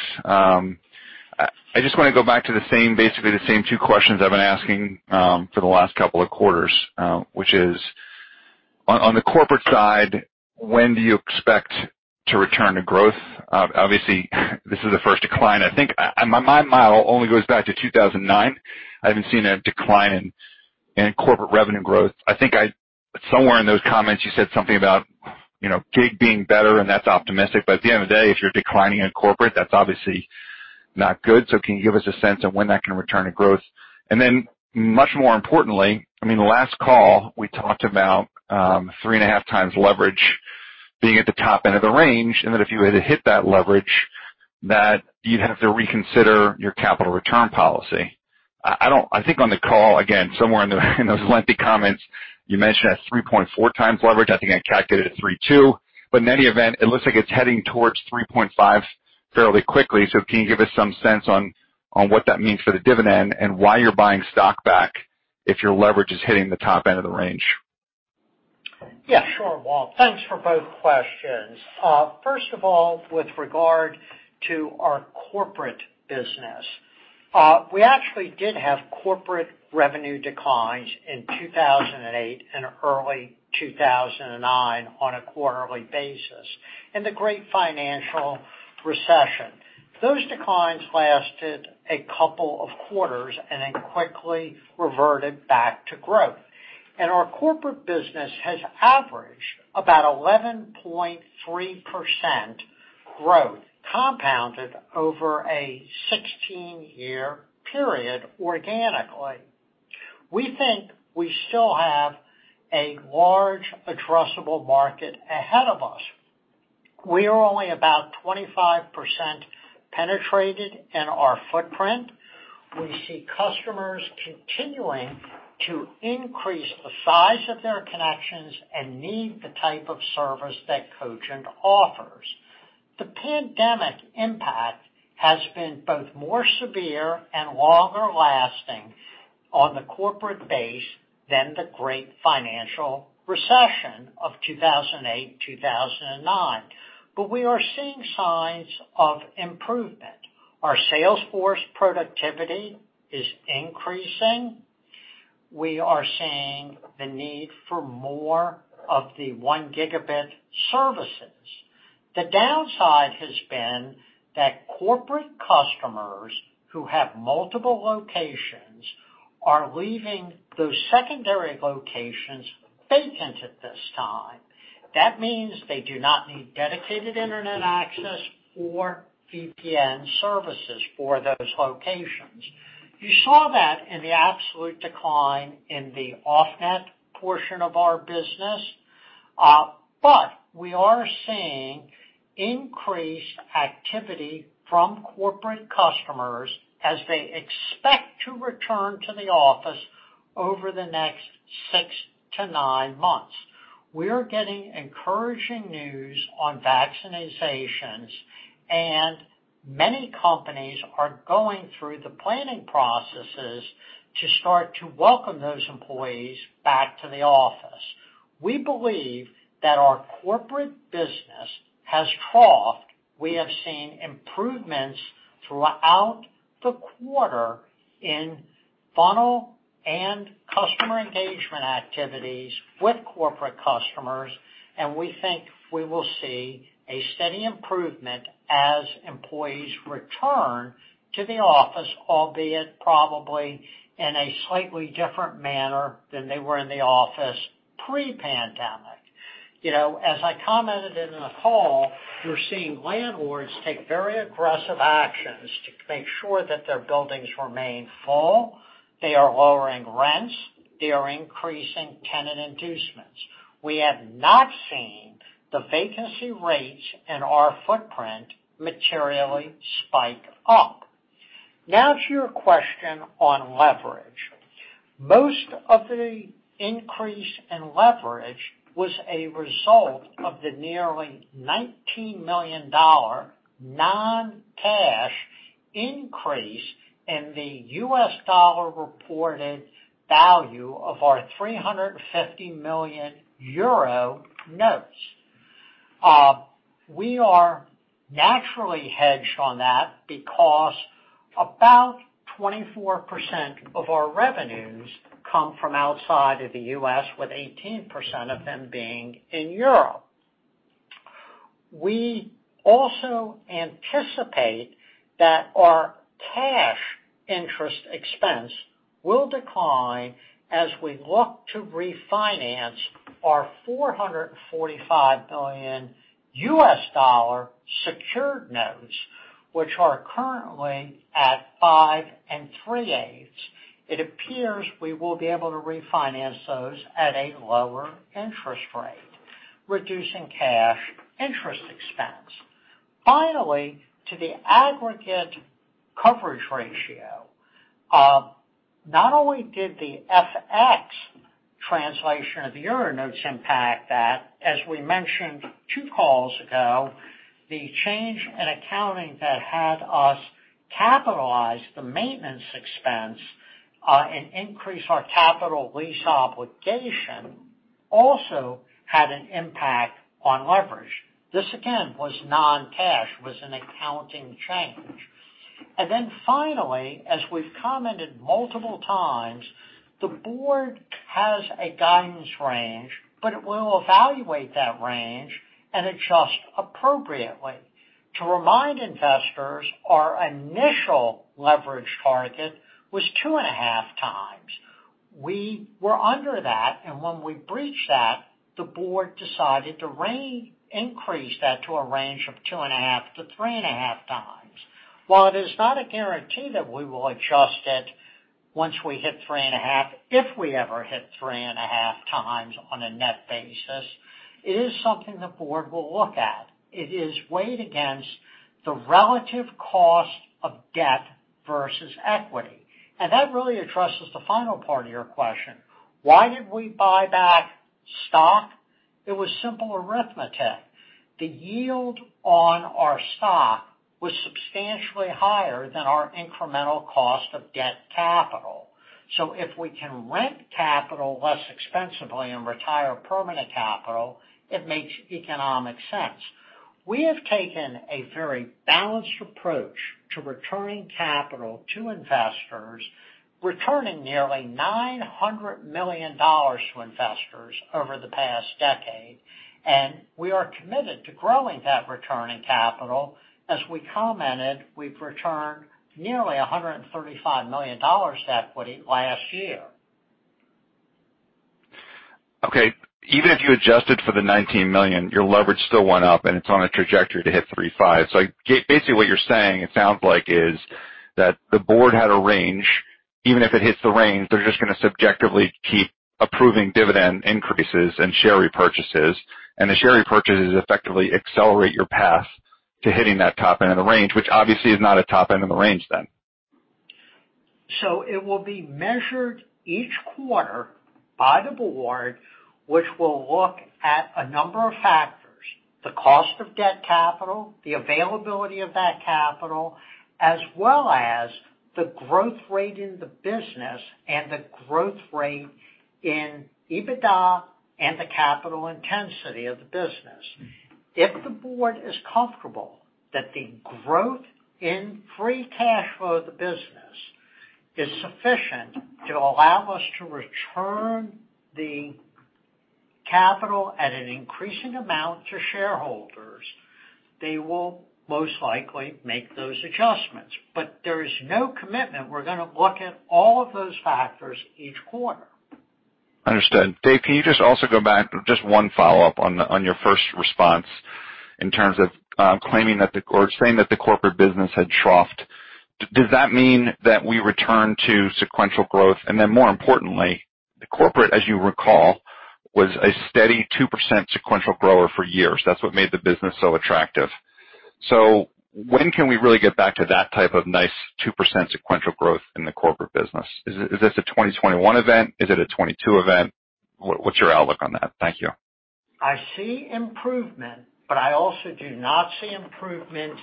I just want to go back to basically the same two questions I've been asking for the last couple of quarters, which is, on the corporate side, when do you expect to return to growth? Obviously, this is the first decline. I think my model only goes back to 2009. I haven't seen a decline in corporate revenue growth. I think somewhere in those comments, you said something about gig being better, and that's optimistic, but at the end of the day, if you're declining in corporate, that's obviously not good. Can you give us a sense of when that can return to growth? Much more importantly, last call, we talked about 3.5x leverage being at the top end of the range, and that if you were to hit that leverage, that you'd have to reconsider your capital return policy. I think on the call, again, somewhere in those lengthy comments, you mentioned that 3.4x leverage. I think I calculated it at 3.2x. In any event, it looks like it's heading towards 3.5x fairly quickly. Can you give us some sense on what that means for the dividend and why you're buying stock back if your leverage is hitting the top end of the range? Yeah, sure, Walter. Thanks for both questions. First of all, with regard to our corporate business, we actually did have corporate revenue declines in 2008 and early 2009 on a quarterly basis in the great financial recession. Those declines lasted a couple of quarters and then quickly reverted back to growth. Our corporate business has averaged about 11.3% growth compounded over a 16-year period organically. We think we still have a large addressable market ahead of us. We are only about 25% penetrated in our footprint. We see customers continuing to increase the size of their connections and need the type of service that Cogent offers. The pandemic impact has been both more severe and longer lasting on the corporate base than the great financial recession of 2008, 2009. We are seeing signs of improvement. Our sales force productivity is increasing. We are seeing the need for more of the 1 Gb services. The downside has been that corporate customers who have multiple locations are leaving those secondary locations vacant at this time. That means they do not need dedicated internet access or VPN services for those locations. You saw that in the absolute decline in the off-net portion of our business. But we are seeing increased activity from corporate customers as they expect to return to the office over the next six to nine months. We are getting encouraging news on vaccinations, and many companies are going through the planning processes to start to welcome those employees back to the office. We believe that our corporate business has troughed. We have seen improvements throughout the quarter in funnel and customer engagement activities with corporate customers. We think we will see a steady improvement as employees return to the office, albeit probably in a slightly different manner than they were in the office pre-pandemic. As I commented in the call, we're seeing landlords take very aggressive actions to make sure that their buildings remain full. They are lowering rents. They are increasing tenant inducements. We have not seen the vacancy rates in our footprint materially spike up. To your question on leverage. Most of the increase in leverage was a result of the nearly $19 million non-cash increase in the U.S. dollar reported value of our 350 million euro notes. We are naturally hedged on that because about 24% of our revenues come from outside of the U.S., with 18% of them being in Europe. We also anticipate that our cash interest expense will decline as we look to refinance our $445 million secured notes, which are currently at five and three-eighths. It appears we will be able to refinance those at a lower interest rate, reducing cash interest expense. To the aggregate coverage ratio. Not only did the FX translation of euro notes impact that, as we mentioned two calls ago, the change in accounting that had us capitalize the maintenance expense, and increase our capital lease obligation also had an impact on leverage. This, again, was non-cash, was an accounting change. Finally, as we've commented multiple times, the board has a guidance range, but it will evaluate that range and adjust appropriately. To remind investors, our initial leverage target was 2.5x. We were under that, when we breached that, the board decided to increase that to a range of 2.5x-3.5x. While it is not a guarantee that we will adjust it once we hit 3.5x, if we ever hit 3.5x on a net basis, it is something the board will look at. It is weighed against the relative cost of debt versus equity. That really addresses the final part of your question. Why did we buy back stock? It was simple arithmetic. The yield on our stock was substantially higher than our incremental cost of debt capital. If we can rent capital less expensively and retire permanent capital, it makes economic sense. We have taken a very balanced approach to returning capital to investors, returning nearly $900 million to investors over the past decade. We are committed to growing that returning capital. As we commented, we've returned nearly $135 million to equity last year. Okay. Even if you adjusted for the $19 million, your leverage still went up. It's on a trajectory to hit 3.5. Basically what you're saying, it sounds like, is that the board had a range. Even if it hits the range, they're just going to subjectively keep approving dividend increases and share repurchases. The share repurchases effectively accelerate your path to hitting that top end of the range, which obviously is not a top end of the range then. It will be measured each quarter by the Board, which will look at a number of factors, the cost of debt capital, the availability of that capital, as well as the growth rate in the business and the growth rate in EBITDA and the capital intensity of the business. If the Board is comfortable that the growth in free cash flow of the business is sufficient to allow us to return the capital at an increasing amount to shareholders, they will most likely make those adjustments. There is no commitment. We're going to look at all of those factors each quarter. Understood. Dave, can you just also go back? Just one follow-up on your first response in terms of claiming that the corporate business had troughed. Does that mean that we return to sequential growth? More importantly, the corporate, as you recall, was a steady 2% sequential grower for years. That's what made the business so attractive. When can we really get back to that type of nice 2% sequential growth in the corporate business? Is this a 2021 event? Is it a 2022 event? What's your outlook on that? Thank you. I see improvement. I also do not see improvement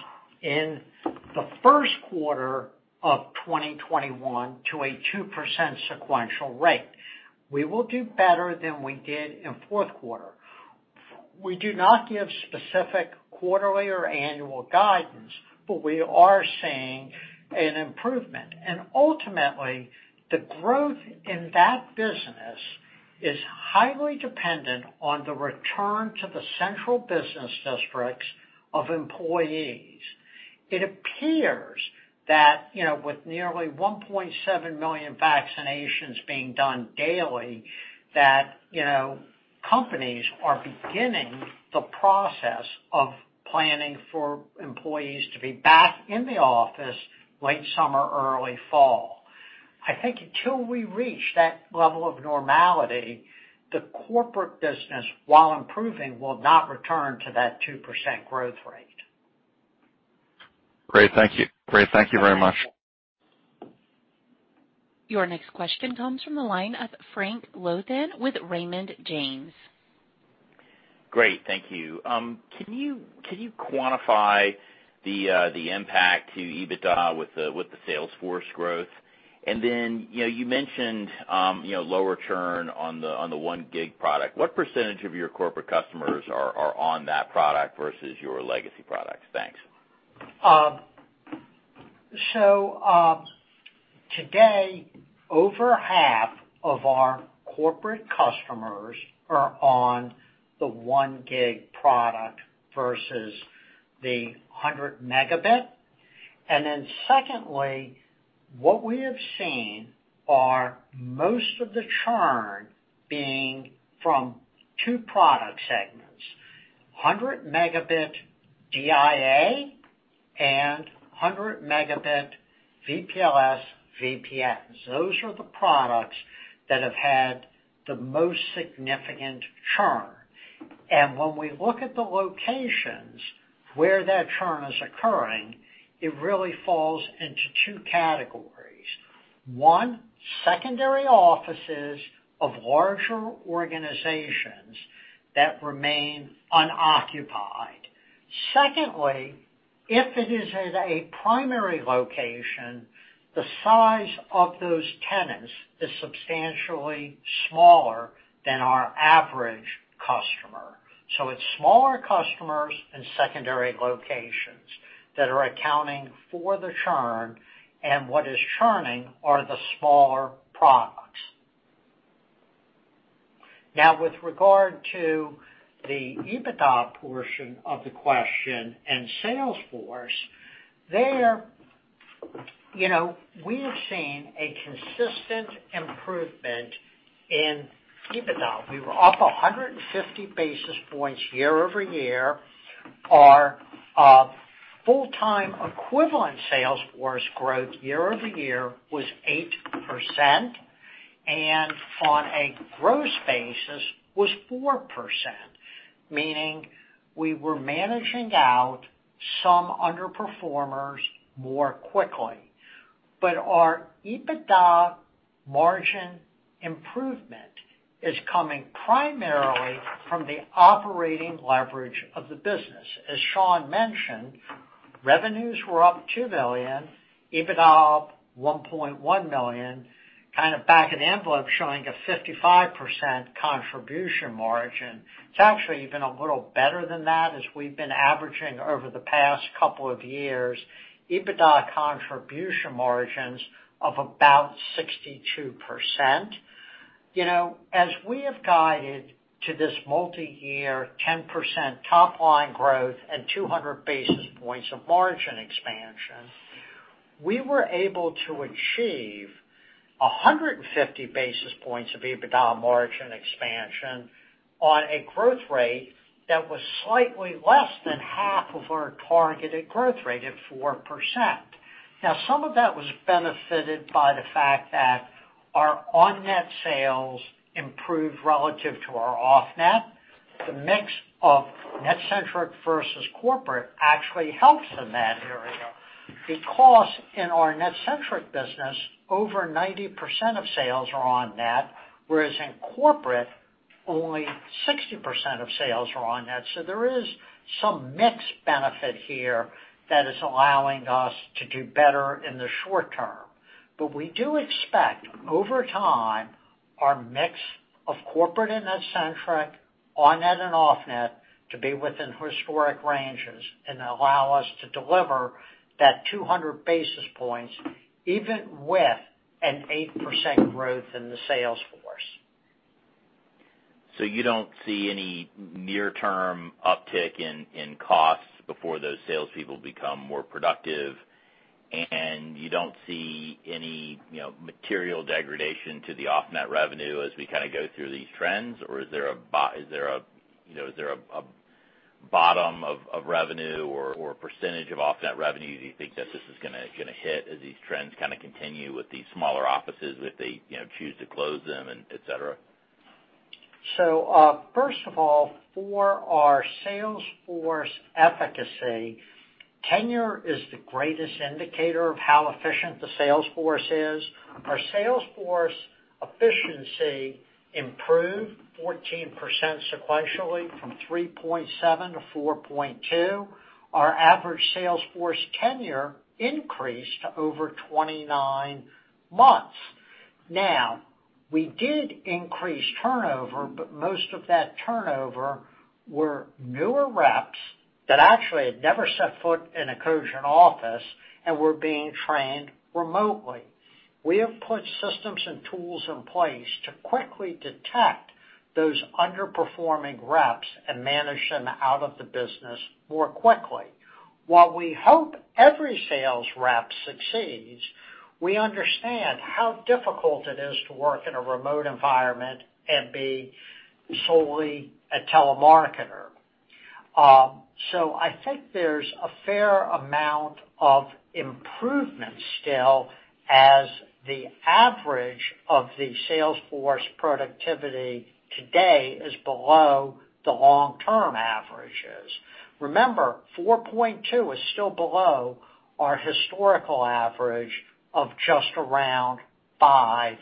in the first quarter of 2021 to a 2% sequential rate. We will do better than we did in the fourth quarter. We do not give specific quarterly or annual guidance. We are seeing an improvement. Ultimately, the growth in that business is highly dependent on the return to the central business districts of employees. It appears that with nearly 1.7 million vaccinations being done daily, that companies are beginning the process of planning for employees to be back in the office late summer, early fall. I think until we reach that level of normality, the corporate business, while improving, will not return to that 2% growth rate. Great. Thank you. Great. Thank you very much. Your next question comes from the line of Frank Louthan with Raymond James. Great. Thank you. Can you quantify the impact to EBITDA with the sales force growth? You mentioned lower churn on the 1 Gb product. What % of your corporate customers are on that product versus your legacy products? Thanks. Today, over half of our corporate customers are on the 1 Gb product versus the 100 Mb. Secondly, what we have seen are most of the churn being from two product segments, 100 Mb DIA and 100 Mb VPLS VPNs. Those are the products that have had the most significant churn. When we look at the locations where that churn is occurring, it really falls into two categories. One, secondary offices of larger organizations that remain unoccupied. Secondly, if it is at a primary location, the size of those tenants is substantially smaller than our average customer. It's smaller customers and secondary locations that are accounting for the churn. What is churning are the smaller products. With regard to the EBITDA portion of the question and sales force, there we have seen a consistent improvement in EBITDA. We were up 150 basis points year-over-year. Our full-time equivalent sales force growth year-over-year was 8% and on a gross basis was 4%, meaning we were managing out some underperformers more quickly. Our EBITDA margin improvement is coming primarily from the operating leverage of the business. As Sean mentioned, revenues were up $2 million, EBITDA up $1.1 million, kind of back an envelope showing a 55% contribution margin. It's actually even a little better than that as we've been averaging over the past couple of years EBITDA contribution margins of about 62%. As we have guided to this multi-year 10% top-line growth and 200 basis points of margin expansion, we were able to achieve 150 basis points of EBITDA margin expansion on a growth rate that was slightly less than half of our targeted growth rate of 4%. Some of that was benefited by the fact that our on-net sales improved relative to our off-net. The mix of NetCentric versus corporate actually helps in that area because in our NetCentric business, over 90% of sales are on-net, whereas in corporate, only 60% of sales are on-net. There is some mix benefit here that is allowing us to do better in the short term. We do expect over time, our mix of corporate and NetCentric, on-net and off-net to be within historic ranges and allow us to deliver that 200 basis points even with an 8% growth in the sales force. You don't see any near-term uptick in costs before those salespeople become more productive, and you don't see any material degradation to the off-net revenue as we kind of go through these trends? Or is there a bottom of revenue or percentage of off-net revenue that you think that this is going to hit as these trends kind of continue with these smaller offices, if they choose to close them, et cetera? First of all, for our sales force efficacy, tenure is the greatest indicator of how efficient the sales force is. Our sales force efficiency improved 14% sequentially from 3.7 to 4.2. Our average sales force tenure increased to over 29 months. We did increase turnover, but most of that turnover were newer reps that actually had never set foot in a Cogent office and were being trained remotely. We have put systems and tools in place to quickly detect those underperforming reps and manage them out of the business more quickly. While we hope every sales rep succeeds, we understand how difficult it is to work in a remote environment and be solely a telemarketer. I think there's a fair amount of improvement still as the average of the sales force productivity today is below the long-term averages. Remember, 4.2 is still below our historical average of just around five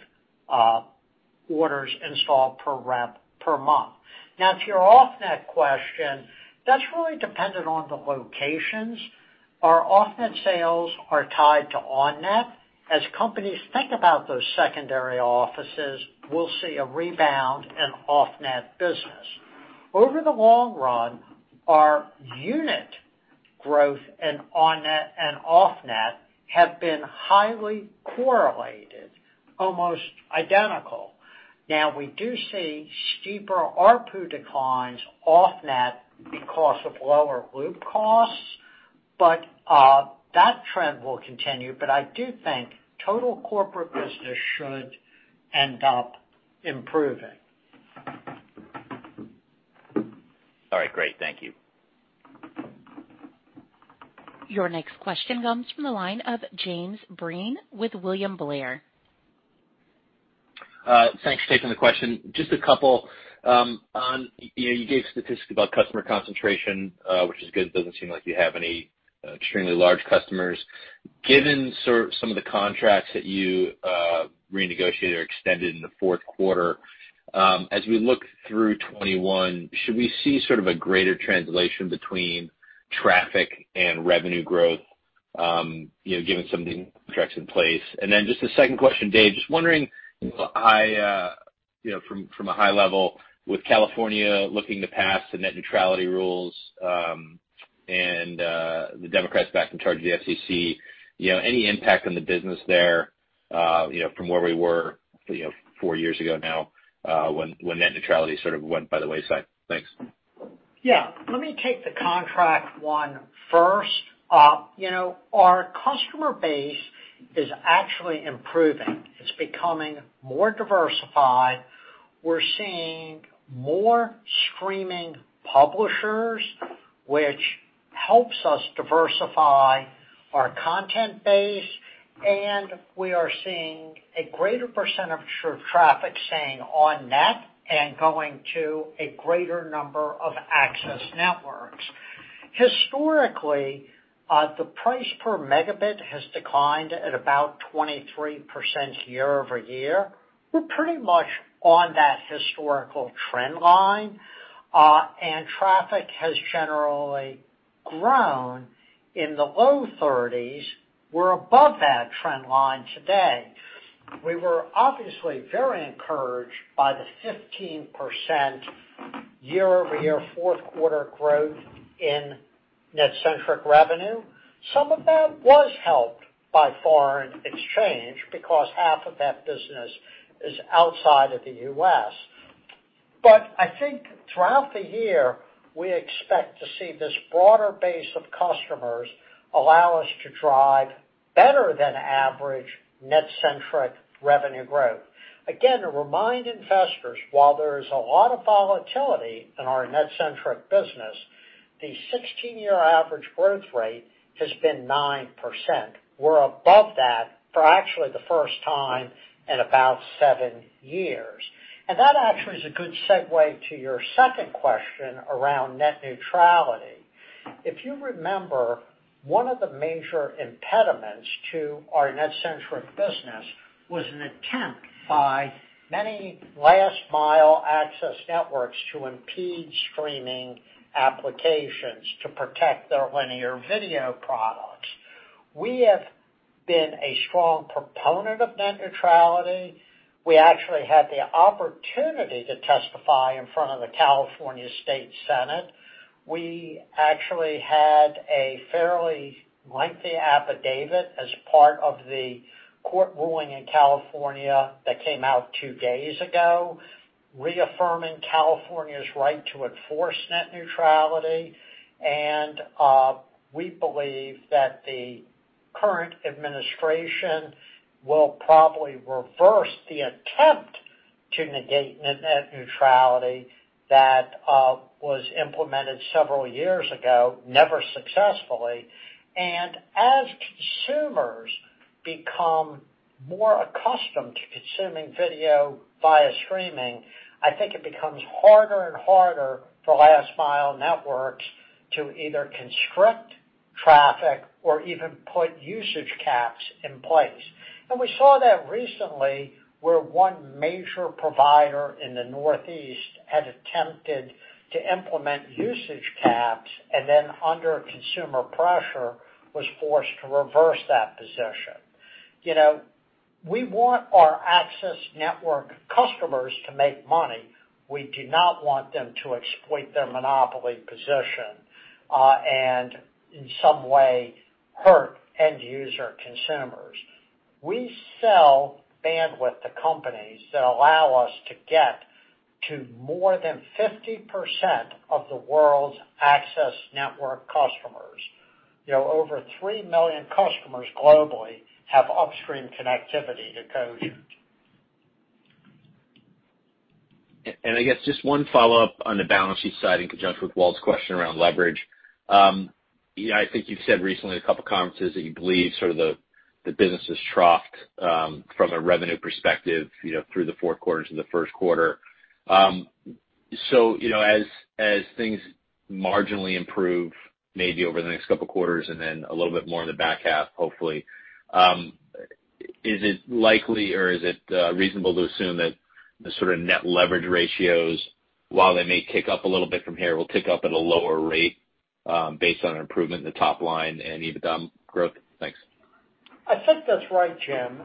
orders installed per rep per month. Now, to your off-net question, that's really dependent on the locations. Our off-net sales are tied to on-net. As companies think about those secondary offices, we'll see a rebound in off-net business. Over the long run, our unit growth in on-net and off-net have been highly correlated, almost identical. Now, we do see steeper ARPU declines off-net because of lower loop costs. That trend will continue, but I do think total corporate business should end up improving. All right, great. Thank you. Your next question comes from the line of James Breen with William Blair. Thanks for taking the question. Just a couple. You gave statistics about customer concentration, which is good. It doesn't seem like you have any extremely large customers. Given some of the contracts that you renegotiated or extended in the fourth quarter, as we look through 2021, should we see sort of a greater translation between traffic and revenue growth, given some of the contracts in place? Then just the second question, Dave, just wondering from a high level, with California looking to pass the net neutrality rules, and the Democrats back in charge of the FCC, any impact on the business there from where we were four years ago now when net neutrality sort of went by the wayside? Thanks. Yeah. Let me take the contract one first. Our customer base is actually improving. It's becoming more diversified. We're seeing more streaming publishers, which helps us diversify our content base, and we are seeing a greater percentage of traffic staying on-net and going to a greater number of access networks. Historically, the price per megabit has declined at about 23% year-over-year. We're pretty much on that historical trend line. Traffic has generally grown in the low 30s%. We're above that trend line today. We were obviously very encouraged by the 15% year-over-year fourth quarter growth in NetCentric revenue. Some of that was helped by foreign exchange because half of that business is outside of the U.S. I think throughout the year, we expect to see this broader base of customers allow us to drive better than average NetCentric revenue growth. Again, to remind investors, while there is a lot of volatility in our NetCentric business, the 16-year average growth rate has been 9%. We're above that for actually the first time in about seven years. That actually is a good segue to your second question around net neutrality. If you remember, one of the major impediments to our NetCentric business was an attempt by many last-mile access networks to impede streaming applications to protect their linear video products. We have been a strong proponent of net neutrality. We actually had the opportunity to testify in front of the California State Senate. We actually had a fairly lengthy affidavit as part of the court ruling in California that came out two days ago, reaffirming California's right to enforce net neutrality. We believe that the current administration will probably reverse the attempt to negate net neutrality that was implemented several years ago, never successfully. As consumers become more accustomed to consuming video via streaming, I think it becomes harder and harder for last mile networks to either constrict traffic or even put usage caps in place. We saw that recently where one major provider in the Northeast had attempted to implement usage caps and then, under consumer pressure, was forced to reverse that position. We want our access network customers to make money. We do not want them to exploit their monopoly position, and in some way hurt end user consumers. We sell bandwidth to companies that allow us to get to more than 50% of the world's access network customers. Over 3 million customers globally have upstream connectivity to Cogent. I guess just one follow-up on the balance sheet side in conjunction with Walter's question around leverage. I think you've said recently in a couple of conferences that you believe the business has troughed from a revenue perspective through the fourth quarter to the first quarter. As things marginally improve, maybe over the next couple of quarters and then a little bit more in the back half, hopefully, is it likely or is it reasonable to assume that the net leverage ratios, while they may tick up a little bit from here, will tick up at a lower rate based on improvement in the top line and EBITDA growth? Thanks. I think that's right, James.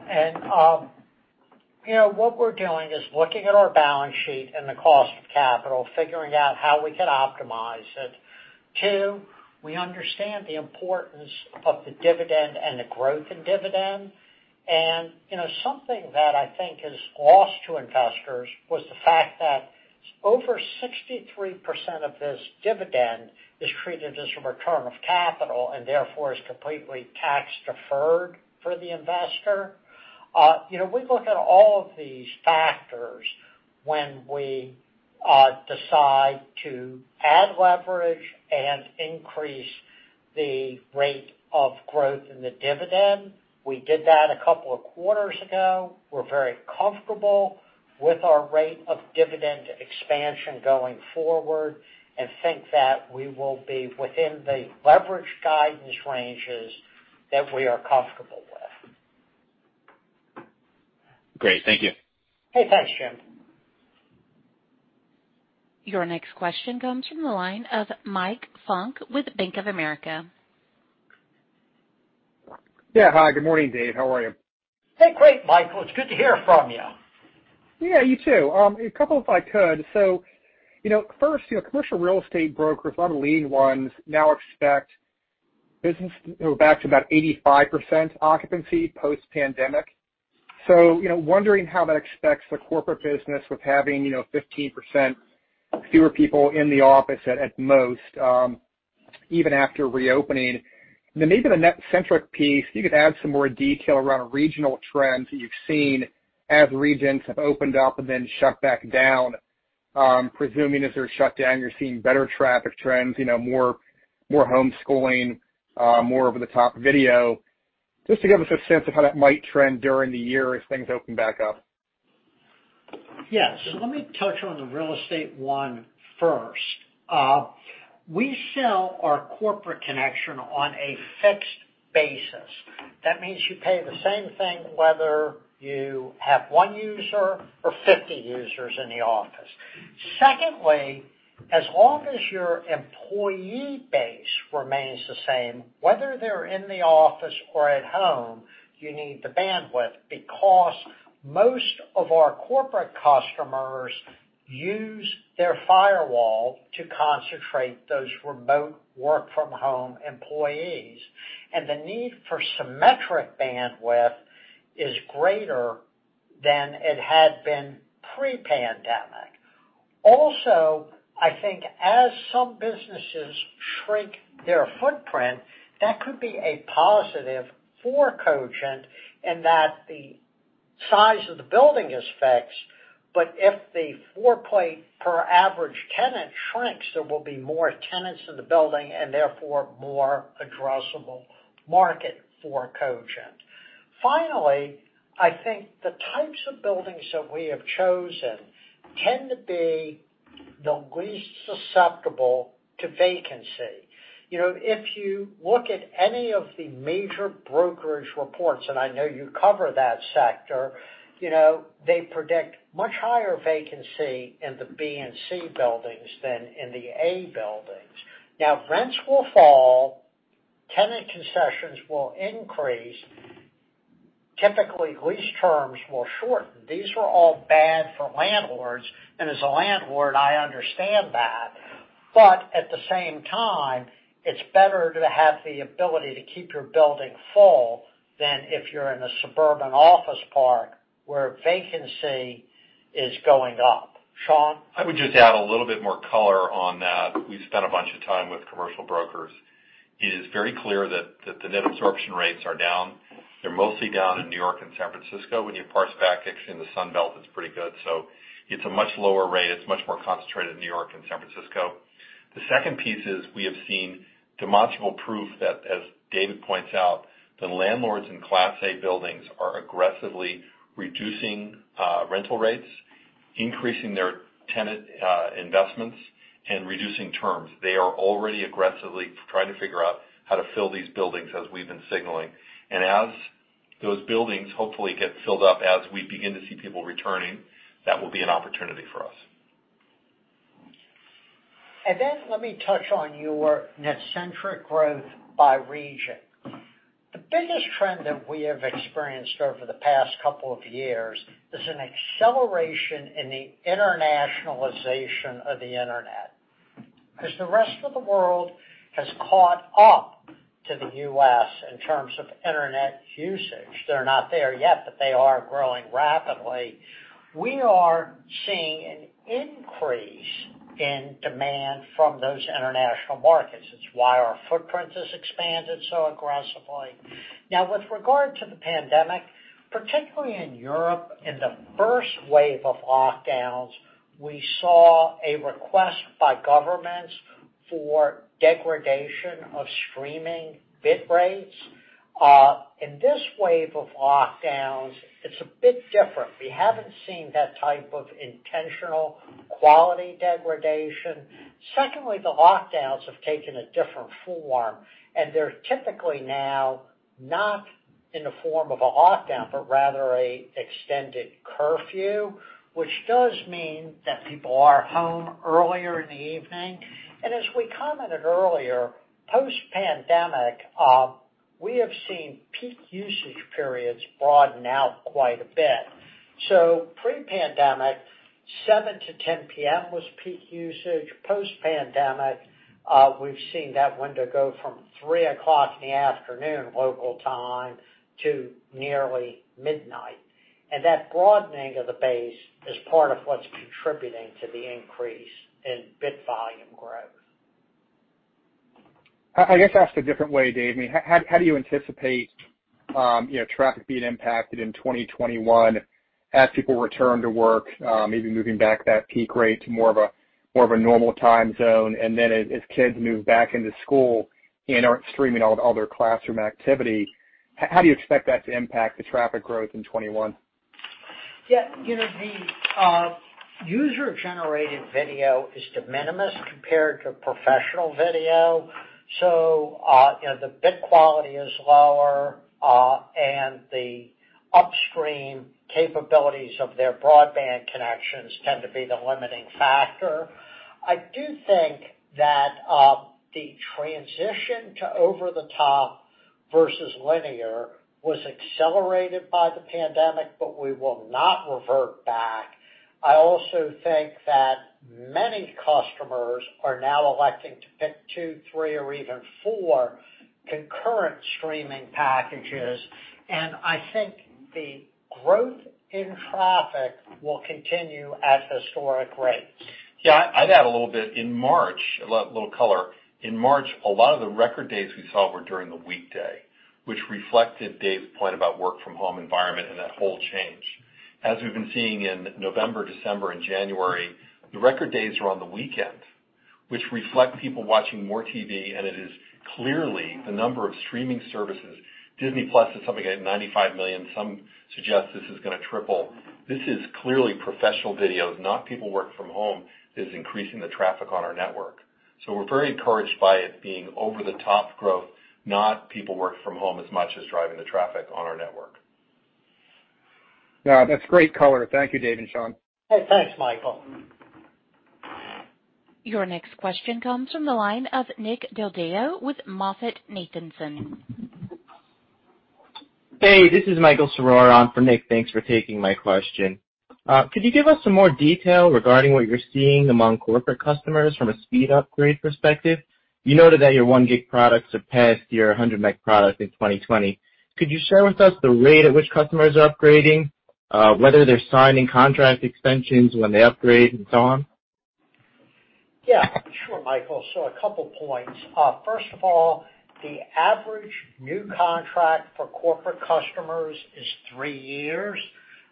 What we're doing is looking at our balance sheet and the cost of capital, figuring out how we can optimize it. Two, we understand the importance of the dividend and the growth in dividend. Something that I think is lost to investors was the fact that over 63% of this dividend is treated as a return of capital, and therefore is completely tax deferred for the investor. We look at all of these factors when we decide to add leverage and increase the rate of growth in the dividend. We did that a couple of quarters ago. We're very comfortable with our rate of dividend expansion going forward, and think that we will be within the leverage guidance ranges that we are comfortable with. Great. Thank you. Okay, thanks, James. Your next question comes from the line of Mike Funk with Bank of America. Yeah. Hi. Good morning, Dave. How are you? Hey, great, Mike. It's good to hear from you. Yeah, you too. A couple if I could. First, commercial real estate brokers, a lot of leading ones now expect business back to about 85% occupancy post-pandemic. Wondering how that affects the corporate business with having 15% fewer people in the office at most, even after reopening. Maybe the NetCentric piece, you could add some more detail around regional trends that you've seen as regions have opened up and then shut back down. I'm presuming as they're shut down, you're seeing better traffic trends, more homeschooling, more over-the-top video. Just to give us a sense of how that might trend during the year as things open back up. Yes. Let me touch on the real estate one first. We sell our corporate connection on a fixed basis. That means you pay the same thing whether you have one user or 50 users in the office. Secondly, as long as your employee base remains the same, whether they're in the office or at home, you need the bandwidth because most of our corporate customers use their firewall to concentrate those remote work from home employees. The need for symmetric bandwidth is greater than it had been pre-pandemic. Also, I think as some businesses shrink their footprint, that could be a positive for Cogent in that the size of the building is fixed, but if the floor plate per average tenant shrinks, there will be more tenants in the building and therefore more addressable market for Cogent. Finally, I think the types of buildings that we have chosen tend to be the least susceptible to vacancy. If you look at any of the major brokerage reports, and I know you cover that sector, they predict much higher vacancy in the B and C buildings than in the A buildings. Rents will fall, tenant concessions will increase. Typically, lease terms will shorten. These were all bad for landlords, and as a landlord, I understand that. At the same time, it's better to have the ability to keep your building full than if you're in a suburban office park where vacancy is going up. Sean? I would just add a little bit more color on that. We've spent a bunch of time with commercial brokers. It is very clear that the net absorption rates are down. They're mostly down in New York and San Francisco. When you parse back, actually in the Sun Belt, it's pretty good. It's a much lower rate. It's much more concentrated in New York and San Francisco. The second piece is we have seen demonstrable proof that, as Dave points out, the landlords in Class A buildings are aggressively reducing rental rates, increasing their tenant investments, and reducing terms. They are already aggressively trying to figure out how to fill these buildings as we've been signaling. As those buildings hopefully get filled up, as we begin to see people returning, that will be an opportunity for us. Then let me touch on your NetCentric growth by region. The biggest trend that we have experienced over the past couple of years is an acceleration in the internationalization of the Internet. As the rest of the world has caught up to the U.S. in terms of internet usage, they're not there yet, but they are growing rapidly, we are seeing an increase in demand from those international markets. It's why our footprint has expanded so aggressively. Now, with regard to the pandemic, particularly in Europe, in the first wave of lockdowns, we saw a request by governments for degradation of streaming bit rates. In this wave of lockdowns, it's a bit different. We haven't seen that type of intentional quality degradation. Secondly, the lockdowns have taken a different form, and they're typically now not in the form of a lockdown, but rather a extended curfew, which does mean that people are home earlier in the evening. As we commented earlier, post-pandemic, we have seen peak usage periods broaden out quite a bit. Pre-pandemic, 7:00 P.M.-10:00 P.M. was peak usage. Post-pandemic, we've seen that window go from 3:00 P.M. in local time to nearly 12:00 A.M. That broadening of the base is part of what's contributing to the increase in bit volume growth. I guess asked a different way, Dave, how do you anticipate traffic being impacted in 2021 as people return to work, maybe moving back that peak rate to more of a normal time zone? As kids move back into school and are streaming all their classroom activity, how do you expect that to impact the traffic growth in 2021? Yeah. The user-generated video is de minimis compared to professional video. The bit quality is lower, and the upstream capabilities of their broadband connections tend to be the limiting factor. I do think that the transition to over-the-top versus linear was accelerated by the pandemic, but we will not revert back. I also think that many customers are now electing to pick two, three or even four concurrent streaming packages, and I think the growth in traffic will continue at historic rates. I'd add a little bit. A little color. In March, a lot of the record days we saw were during the weekday, which reflected Dave's point about work from home environment and that whole change. As we've been seeing in November, December and January, the record days are on the weekend, which reflect people watching more TV, and it is clearly the number of streaming services. Disney+ is something like 95 million. Some suggest this is going to triple. This is clearly professional videos, not people work from home, that is increasing the traffic on our network. We're very encouraged by it being over-the-top growth, not people work from home as much as driving the traffic on our network. Yeah. That's great color. Thank you, Dave and Sean. Hey, thanks, Mike. Your next question comes from the line of Nick Del Deo with MoffettNathanson. Hey, this is Michael Srour for Nick. Thanks for taking my question. Could you give us some more detail regarding what you're seeing among corporate customers from a speed upgrade perspective? You noted that your 1 Gb products have passed your 100 Mb product in 2020. Could you share with us the rate at which customers are upgrading, whether they're signing contract extensions when they upgrade and so on? Yeah, sure, Michael. A couple points. First of all, the average new contract for corporate customers is three years.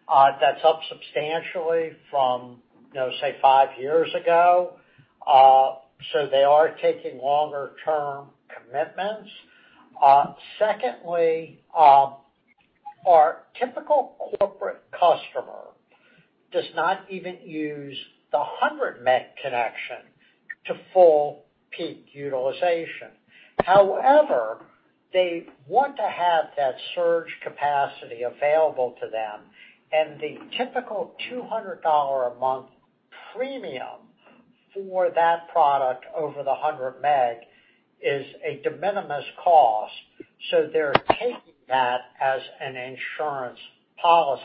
That's up substantially from, say, five years ago. They are taking longer term commitments. Secondly, our typical corporate customer does not even use the 100 Mb connection to full peak utilization. However, they want to have that surge capacity available to them, and the typical $200 a month premium for that product over the 100 Mb is a de minimis cost, so they're taking that as an insurance policy.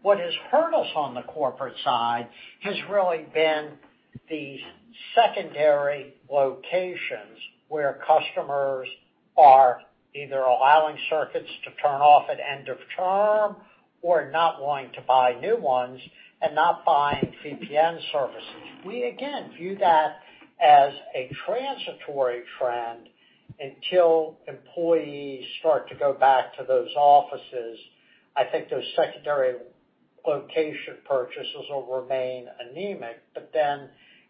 What has hurt us on the corporate side has really been these secondary locations where customers are either allowing circuits to turn off at end of term or not wanting to buy new ones and not buying VPN services. We, again, view that as a transitory trend until employees start to go back to those offices. I think those secondary location purchases will remain anemic.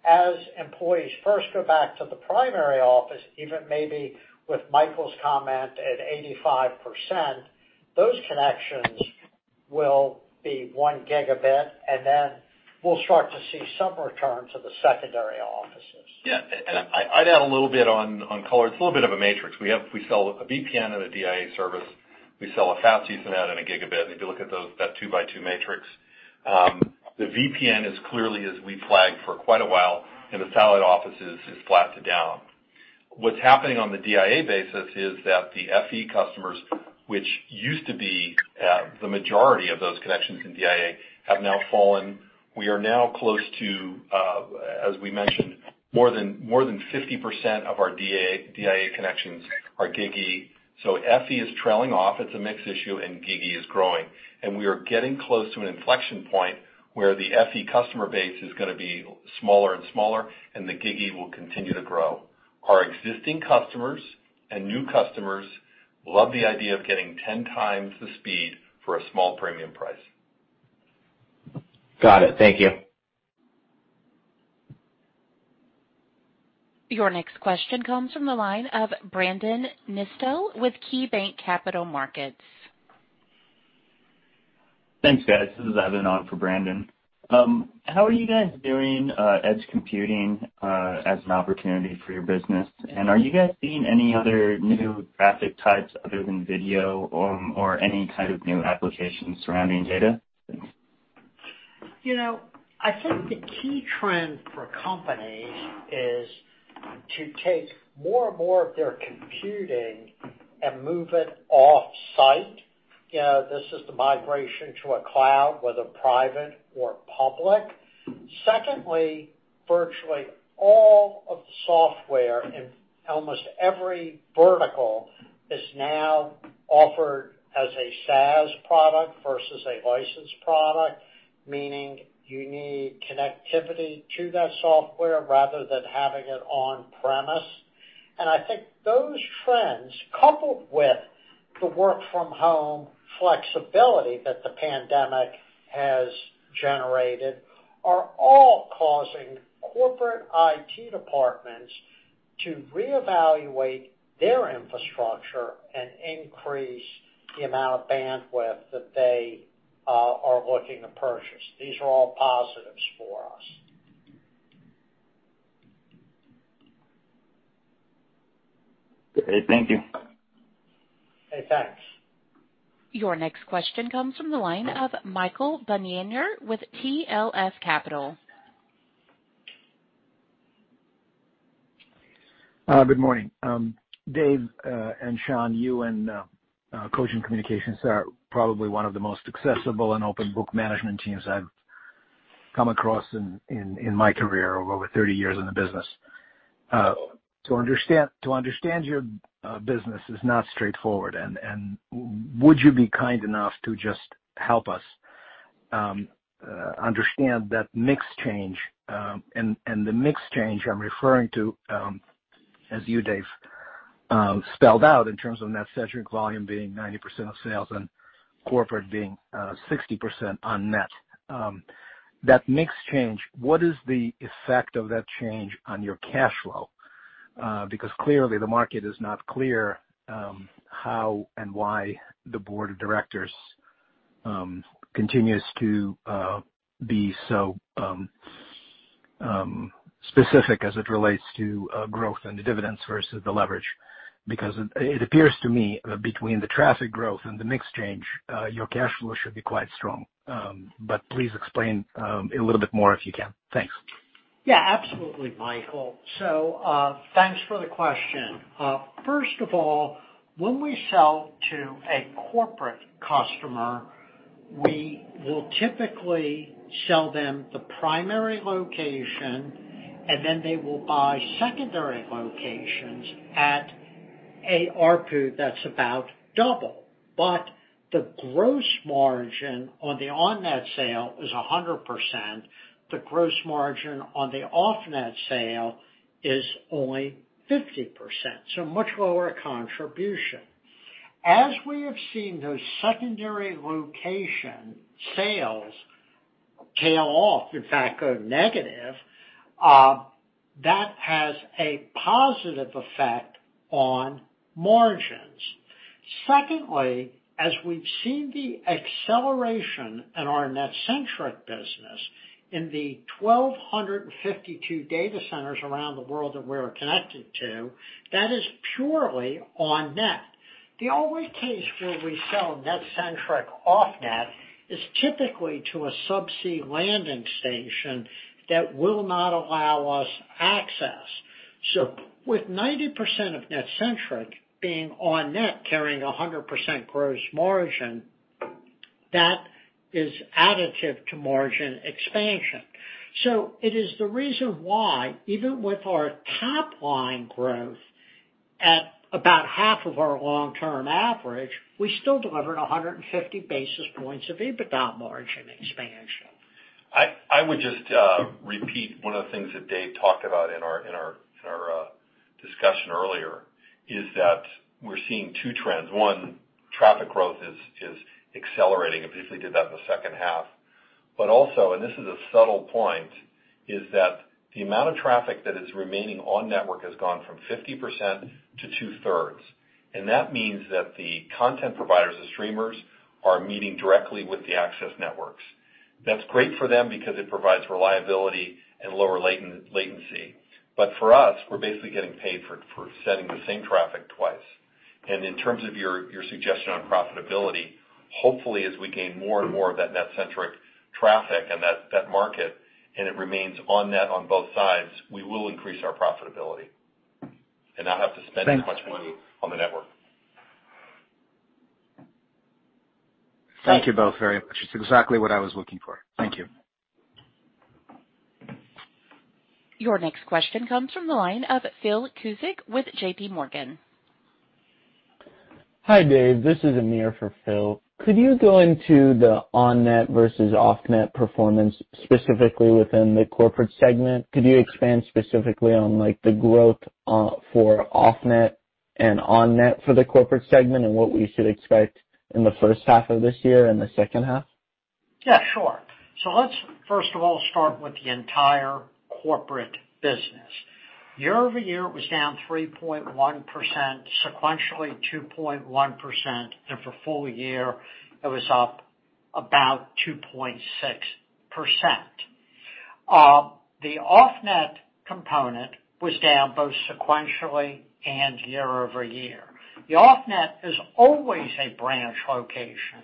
As employees first go back to the primary office, even maybe with Michael's comment at 85%, those connections will be 1 Gb, and then we'll start to see some return to the secondary offices. Yeah. I'd add a little bit on color. It's a little bit of a matrix. We sell a VPN and a DIA service. We sell a Fast Ethernet and a gigabit, and if you look at that two-by-two matrix, the VPN is clearly, as we flagged for quite a while, in the satellite offices is flat to down. What's happening on the DIA basis is that the FE customers, which used to be the majority of those connections in DIA, have now fallen. We are now close to, as we mentioned, more than 50% of our DIA connections are GigE. FE is trailing off, it's a mixed issue, and GigE is growing. We are getting close to an inflection point where the FE customer base is going to be smaller and smaller, and the GigE will continue to grow. Our existing customers and new customers love the idea of getting 10x the speed for a small premium price. Got it. Thank you. Your next question comes from the line of Brandon Nispel with KeyBanc Capital Markets. Thanks, guys. This is Evan on for Brandon. How are you guys viewing edge computing as an opportunity for your business? Are you guys seeing any other new traffic types other than video or any kind of new applications surrounding data? Thanks. I think the key trend for companies is to take more and more of their computing and move it offsite. This is the migration to a cloud, whether private or public. Secondly, virtually all of the software in almost every vertical is now offered as a SaaS product versus a licensed product, meaning you need connectivity to that software rather than having it on-premise. I think those trends, coupled with the work from home flexibility that the pandemic has generated, are all causing corporate IT departments to reevaluate their infrastructure and increase the amount of bandwidth that they are looking to purchase. These are all positives for us. Great. Thank you. Okay, thanks. Your next question comes from the line of Michael Bunyaner with TLF Capital. Good morning? Dave and Sean, you and Cogent Communications are probably one of the most accessible and open book management teams I've come across in my career of over 30 years in the business. Would you be kind enough to just help us understand that mix change? The mix change I'm referring to, as you, Dave, spelled out in terms of NetCentric volume being 90% of sales and corporate being 60% on net. That mix change, what is the effect of that change on your cash flow? Clearly the market is not clear how and why the Board of Directors continues to be so specific as it relates to growth and the dividends versus the leverage. It appears to me between the traffic growth and the mix change, your cash flow should be quite strong. Please explain a little bit more if you can. Thanks. Yeah, absolutely, Michael. Thanks for the question. First of all, when we sell to a corporate customer, we will typically sell them the primary location, and then they will buy secondary locations at ARPU that's about double. The gross margin on the on-net sale is 100%. The gross margin on the off-net sale is only 50%, much lower contribution. As we have seen those secondary location sales tail off, in fact, go negative, that has a positive effect on margins. Secondly, as we've seen the acceleration in our NetCentric business in the 1,252 data centers around the world that we're connected to, that is purely on net. The only case where we sell NetCentric off net is typically to a subsea landing station that will not allow us access. With 90% of NetCentric being on-net carrying 100% gross margin, that is additive to margin expansion. It is the reason why, even with our top-line growth at about half of our long-term average, we still delivered 150 basis points of EBITDA margin expansion. I would just repeat one of the things that Dave talked about in our discussion earlier, is that we're seeing two trends. One, traffic growth is accelerating, and basically did that in the second half. Also, and this is a subtle point, is that the amount of traffic that is remaining on network has gone from 50% to 2/3, and that means that the content providers and streamers are meeting directly with the access networks. That's great for them because it provides reliability and lower latency. For us, we're basically getting paid for sending the same traffic twice. In terms of your suggestion on profitability, hopefully as we gain more and more of that NetCentric traffic and that market, and it remains on-net on both sides, we will increase our profitability and not have to spend as much money on the network. Thank you both very much. It's exactly what I was looking for. Thank you. Your next question comes from the line of Philip Cusick with JPMorgan. Hi, Dave? This is Amir for Phil. Could you go into the on-net versus off-net performance, specifically within the corporate segment? Could you expand specifically on the growth for off-net and on-net for the corporate segment and what we should expect in the first half of this year and the second half? Yeah, sure. Let's first of all, start with the entire corporate business. Year-over-year, it was down 3.1%, sequentially 2.1%, and for full year, it was up about 2.6%. The off-net component was down both sequentially and year-over-year. The off-net is always a branch location,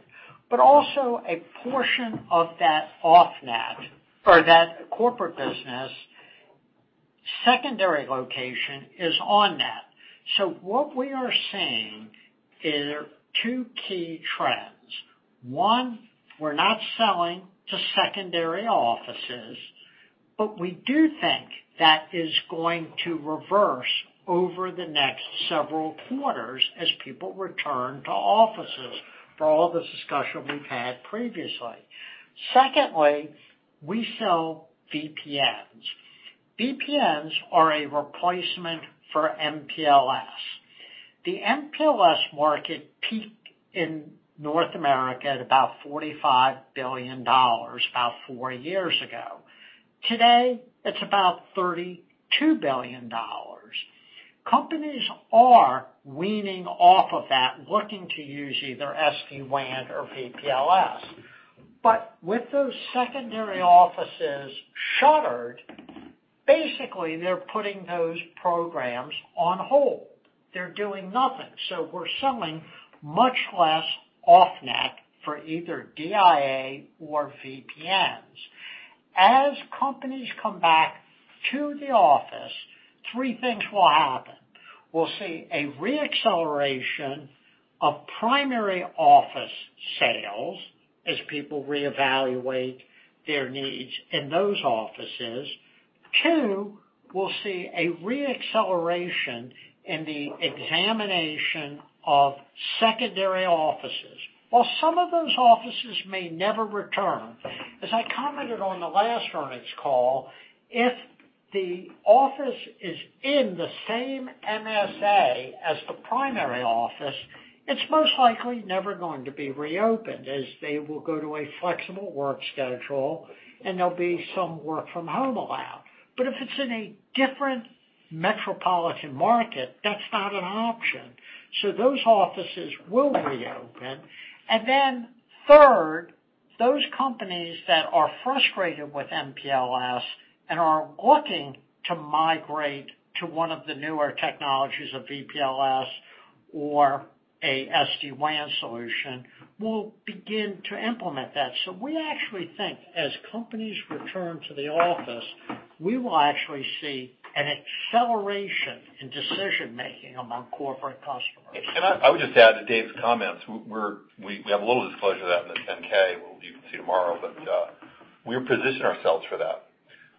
but also a portion of that off-net or that corporate business secondary location is on-net. What we are seeing are two key trends. One, we're not selling to secondary offices, but we do think that is going to reverse over the next several quarters as people return to offices for all this discussion we've had previously. Secondly, we sell VPNs. VPNs are a replacement for MPLS. The MPLS market peaked in North America at about $45 billion about four years ago. Today, it's about $32 billion. Companies are weaning off of that, looking to use either SD-WAN or VPLS. With those secondary offices shuttered, basically they're putting those programs on hold. They're doing nothing. We're selling much less off-net for either DIA or VPNs. As companies come back to the office, three things will happen. We'll see a re-acceleration of primary office sales as people reevaluate their needs in those offices. Two, we'll see a re-acceleration in the examination of secondary offices. While some of those offices may never return, as I commented on the last earnings call, if the office is in the same MSA as the primary office, it's most likely never going to be reopened as they will go to a flexible work schedule and there'll be some work from home allowed. But if it's in a different metropolitan market, that's not an option. Those offices will reopen. Third, those companies that are frustrated with MPLS and are looking to migrate to one of the newer technologies of VPLS or a SD-WAN solution will begin to implement that. We actually think as companies return to the office, we will actually see an acceleration in decision-making among corporate customers. I would just add to Dave's comments. We have a little disclosure of that in this 10-K you can see tomorrow, but we position ourselves for that.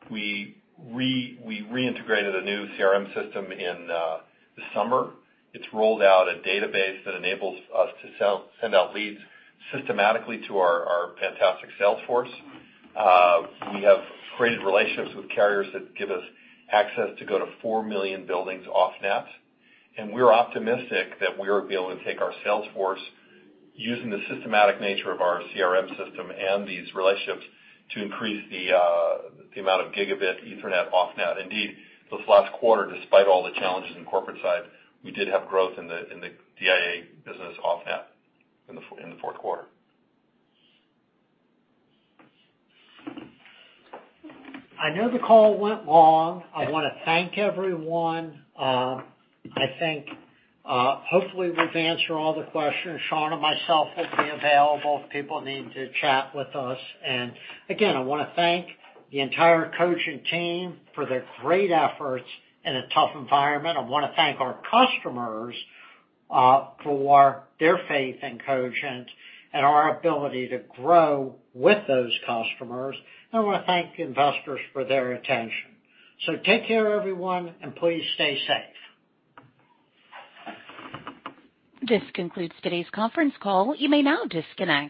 We reintegrated a new CRM system in the summer. It's rolled out a database that enables us to send out leads systematically to our fantastic sales force. We have created relationships with carriers that give us access to go to 4 million buildings off-net, and we're optimistic that we'll be able to take our sales force using the systematic nature of our CRM system and these relationships to increase the amount of gigabit Ethernet off-net. Indeed, this last quarter, despite all the challenges in corporate side, we did have growth in the DIA business off-net in the fourth quarter. I know the call went long. I want to thank everyone. I think hopefully we've answered all the questions. Sean and myself will be available if people need to chat with us. Again, I want to thank the entire Cogent team for their great efforts in a tough environment. I want to thank our customers for their faith in Cogent and our ability to grow with those customers. I want to thank investors for their attention. Take care, everyone, and please stay safe. This concludes today's conference call, you may now disconnect.